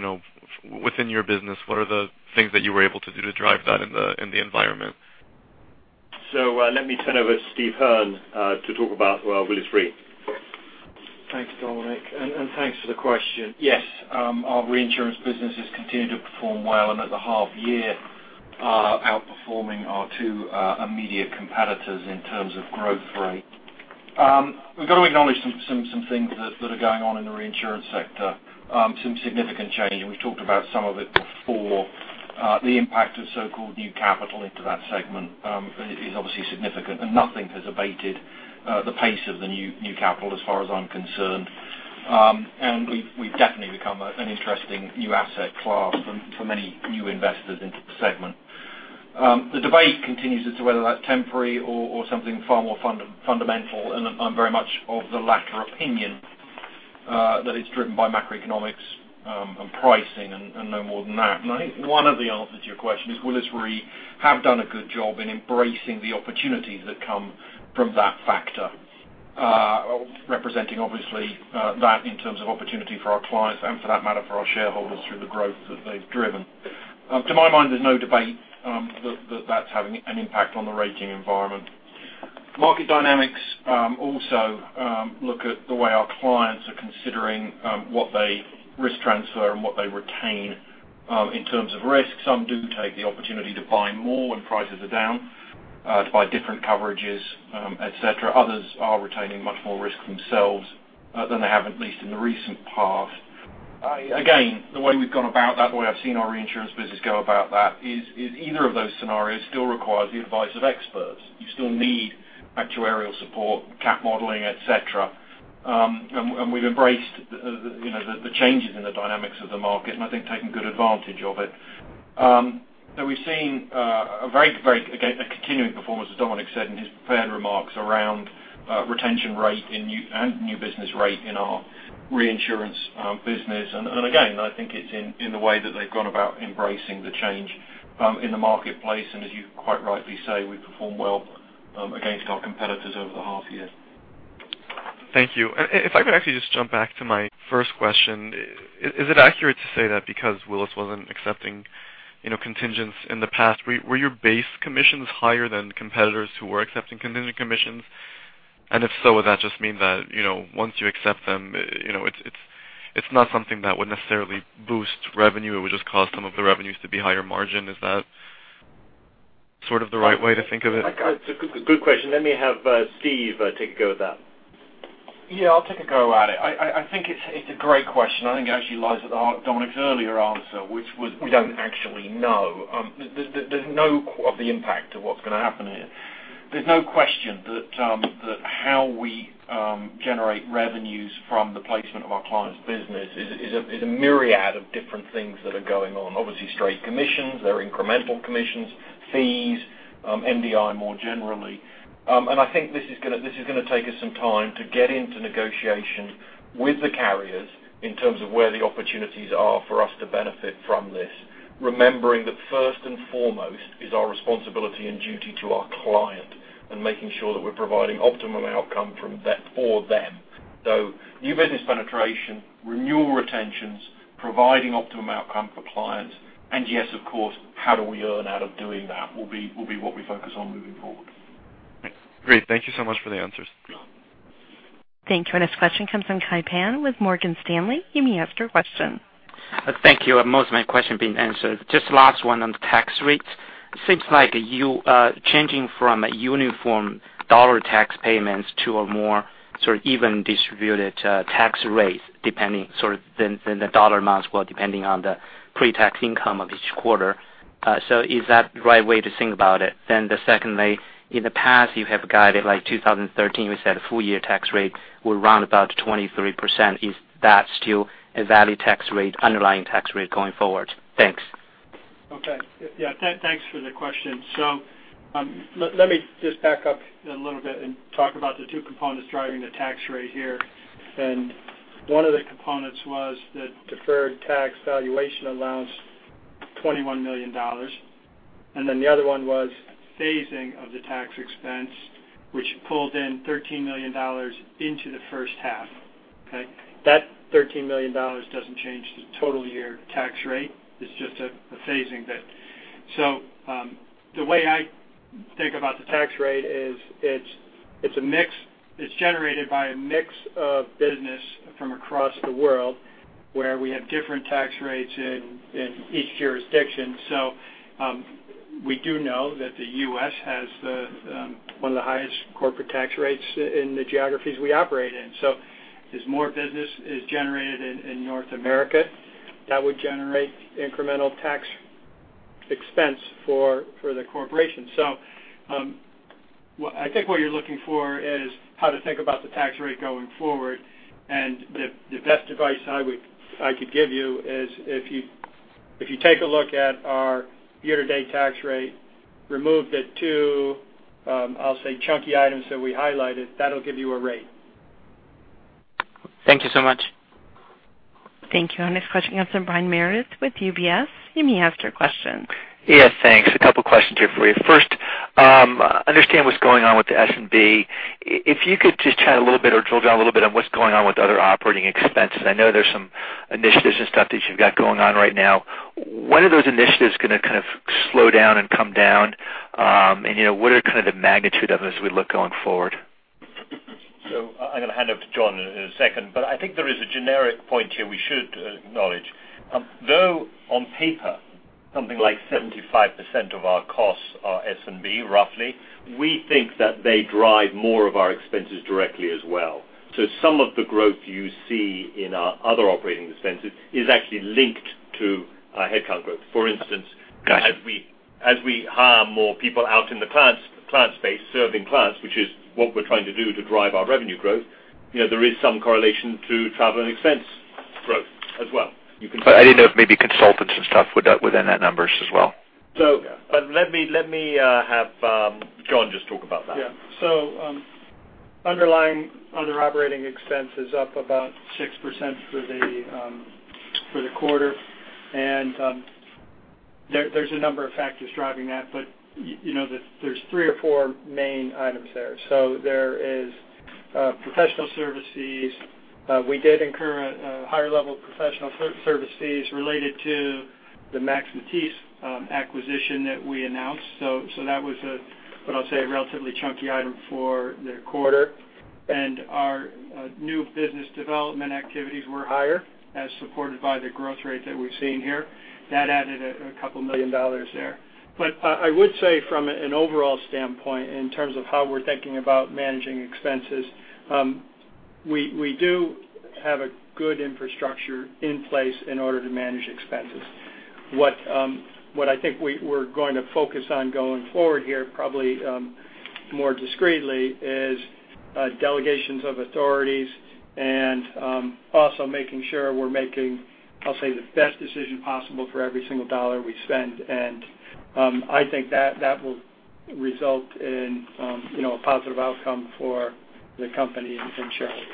S15: within your business, what are the things that you were able to do to drive that in the environment?
S3: Let me turn over to Steve Hearn to talk about Willis Re.
S16: Thanks, Dominic, thanks for the question. Yes. Our reinsurance business has continued to perform well and at the half year, outperforming our two immediate competitors in terms of growth rate. We've got to acknowledge some things that are going on in the reinsurance sector, some significant change, and we've talked about some of it before. The impact of so-called new capital into that segment is obviously significant, nothing has abated the pace of the new capital as far as I'm concerned. We've definitely become an interesting new asset class for many new investors into the segment. The debate continues as to whether that's temporary or something far more fundamental, I'm very much of the latter opinion, that it's driven by macroeconomics and pricing and no more than that. I think one of the answers to your question is Willis Re have done a good job in embracing the opportunities that come from that factor, representing obviously that in terms of opportunity for our clients and for that matter, for our shareholders through the growth that they've driven. To my mind, there's no debate that that's having an impact on the rating environment. Market dynamics also look at the way our clients are considering what they risk transfer and what they retain in terms of risk. Some do take the opportunity to buy more when prices are down, to buy different coverages, et cetera. Others are retaining much more risk themselves than they have, at least in the recent past. Again, the way we've gone about that, the way I've seen our reinsurance business go about that is either of those scenarios still requires the advice of experts. You still need actuarial support, cat modeling, et cetera. We've embraced the changes in the dynamics of the market and I think taken good advantage of it. Though we've seen a very, again, a continuing performance, as Dominic said in his prepared remarks around retention rate and new business rate in our reinsurance business. Again, I think it's in the way that they've gone about embracing the change in the marketplace. As you quite rightly say, we perform well against our competitors over the half year.
S15: Thank you. If I could actually just jump back to my first question. Is it accurate to say that because Willis wasn't accepting contingents in the past, were your base commissions higher than competitors who were accepting contingent commissions? If so, would that just mean that once you accept them, it's not something that would necessarily boost revenue. It would just cause some of the revenues to be higher margin. Is that sort of the right way to think of it?
S4: It's a good question. Let me have Steve take a go at that.
S16: Yeah, I'll take a go at it. I think it's a great question. I think it actually lies with Dominic's earlier answer, which was we don't actually know. There's no of the impact of what's going to happen here. There's no question that how we generate revenues from the placement of our client's business is a myriad of different things that are going on. Obviously straight commissions, there are incremental commissions, fees, MDI more generally. I think this is going to take us some time to get into negotiations with the carriers in terms of where the opportunities are for us to benefit from this. Remembering that first and foremost is our responsibility and duty to our client and making sure that we're providing optimum outcome for them. New business penetration, renewal retentions, providing optimum outcome for clients. Yes, of course, how do we earn out of doing that will be what we focus on moving forward.
S15: Great. Thank you so much for the answers.
S1: Thank you. Our next question comes from Kai Pan with Morgan Stanley. You may ask your question.
S17: Thank you. Most of my question has been answered. Just last one on tax rates. Seems like you are changing from uniform dollar tax payments to a more sort of even distributed tax rate depending sort of than the dollar amounts were depending on the pre-tax income of each quarter. Is that the right way to think about it? Secondly, in the past, you have guided like 2013, we said a full year tax rate were around about 23%. Is that still a valid underlying tax rate going forward? Thanks.
S4: Okay. Yeah, thanks for the question. Let me just back up a little bit and talk about the two components driving the tax rate here. One of the components was the deferred tax valuation allowance, $21 million. The other one was phasing of the tax expense, which pulled in $13 million into the first half. Okay? That $13 million doesn't change the total year tax rate. It's just a phasing bit. The way I think about the tax rate is it's generated by a mix of business from across the world where we have different tax rates in each jurisdiction. We do know that the U.S. has one of the highest corporate tax rates in the geographies we operate in. As more business is generated in North America, that would generate incremental tax expense for the corporation. I think what you're looking for is how to think about the tax rate going forward. The best advice I could give you is if you take a look at our year-to-date tax rate, remove the two, I'll say chunky items that we highlighted, that'll give you a rate.
S17: Thank you so much.
S1: Thank you. Our next question comes from Brian Meredith with UBS. You may ask your question.
S18: Yes, thanks. A couple questions here for you. First, understand what's going on with the S&B. If you could just chat a little bit or drill down a little bit on what's going on with other operating expenses. I know there's some initiatives and stuff that you've got going on right now. When are those initiatives going to kind of slow down and come down? What are kind of the magnitude of them as we look going forward?
S3: I'm going to hand over to John in a second, but I think there is a generic point here we should acknowledge. Though on paper, something like 75% of our costs are S&B, roughly, we think that they drive more of our expenses directly as well. Some of the growth you see in our other operating expenses is actually linked to our headcount growth.
S18: Got you
S3: as we hire more people out in the client space, serving clients, which is what we're trying to do to drive our revenue growth, there is some correlation to travel and expense growth as well.
S18: I didn't know if maybe consultants and stuff were within that numbers as well.
S3: Let me have John just talk about that.
S4: Underlying other operating expense is up about 6% for the quarter. There's a number of factors driving that. There's three or four main items there. There is professional services. We did incur a higher level of professional services related to the Max Matthiessen acquisition that we announced. That was what I'll say, a relatively chunky item for the quarter. Our new business development activities were higher as supported by the growth rate that we've seen here. That added a couple million dollars there. I would say from an overall standpoint, in terms of how we're thinking about managing expenses, we do have a good infrastructure in place in order to manage expenses. What I think we're going to focus on going forward here, probably more discreetly, is delegations of authorities and also making sure we're making, I'll say, the best decision possible for every single dollar we spend. I think that will result in a positive outcome for the company and shareholders.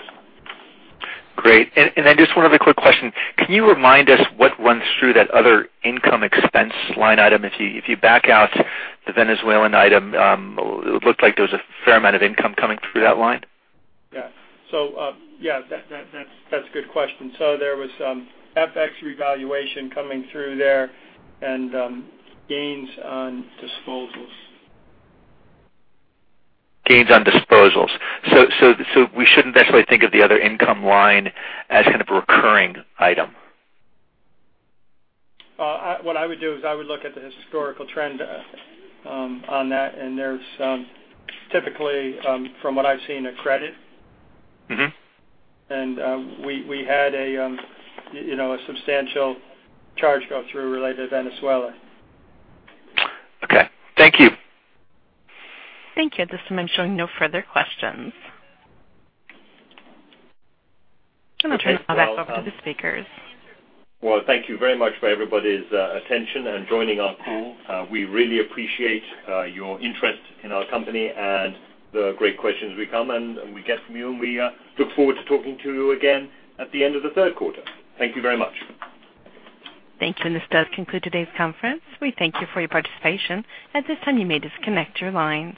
S18: Great. Just one other quick question. Can you remind us what runs through that other income expense line item? If you back out the Venezuelan item, it looked like there was a fair amount of income coming through that line.
S4: That's a good question. There was some FX revaluation coming through there and gains on disposals.
S18: Gains on disposals. We shouldn't necessarily think of the other income line as kind of a recurring item.
S4: What I would do is I would look at the historical trend on that, there's typically, from what I've seen, a credit. We had a substantial charge go through related to Venezuela.
S18: Okay. Thank you.
S1: Thank you. At this time I'm showing no further questions. I'll turn it back over to the speakers.
S3: Well, thank you very much for everybody's attention and joining our call. We really appreciate your interest in our company and the great questions we get from you. We look forward to talking to you again at the end of the third quarter. Thank you very much.
S1: Thank you. This does conclude today's conference. We thank you for your participation. At this time, you may disconnect your lines.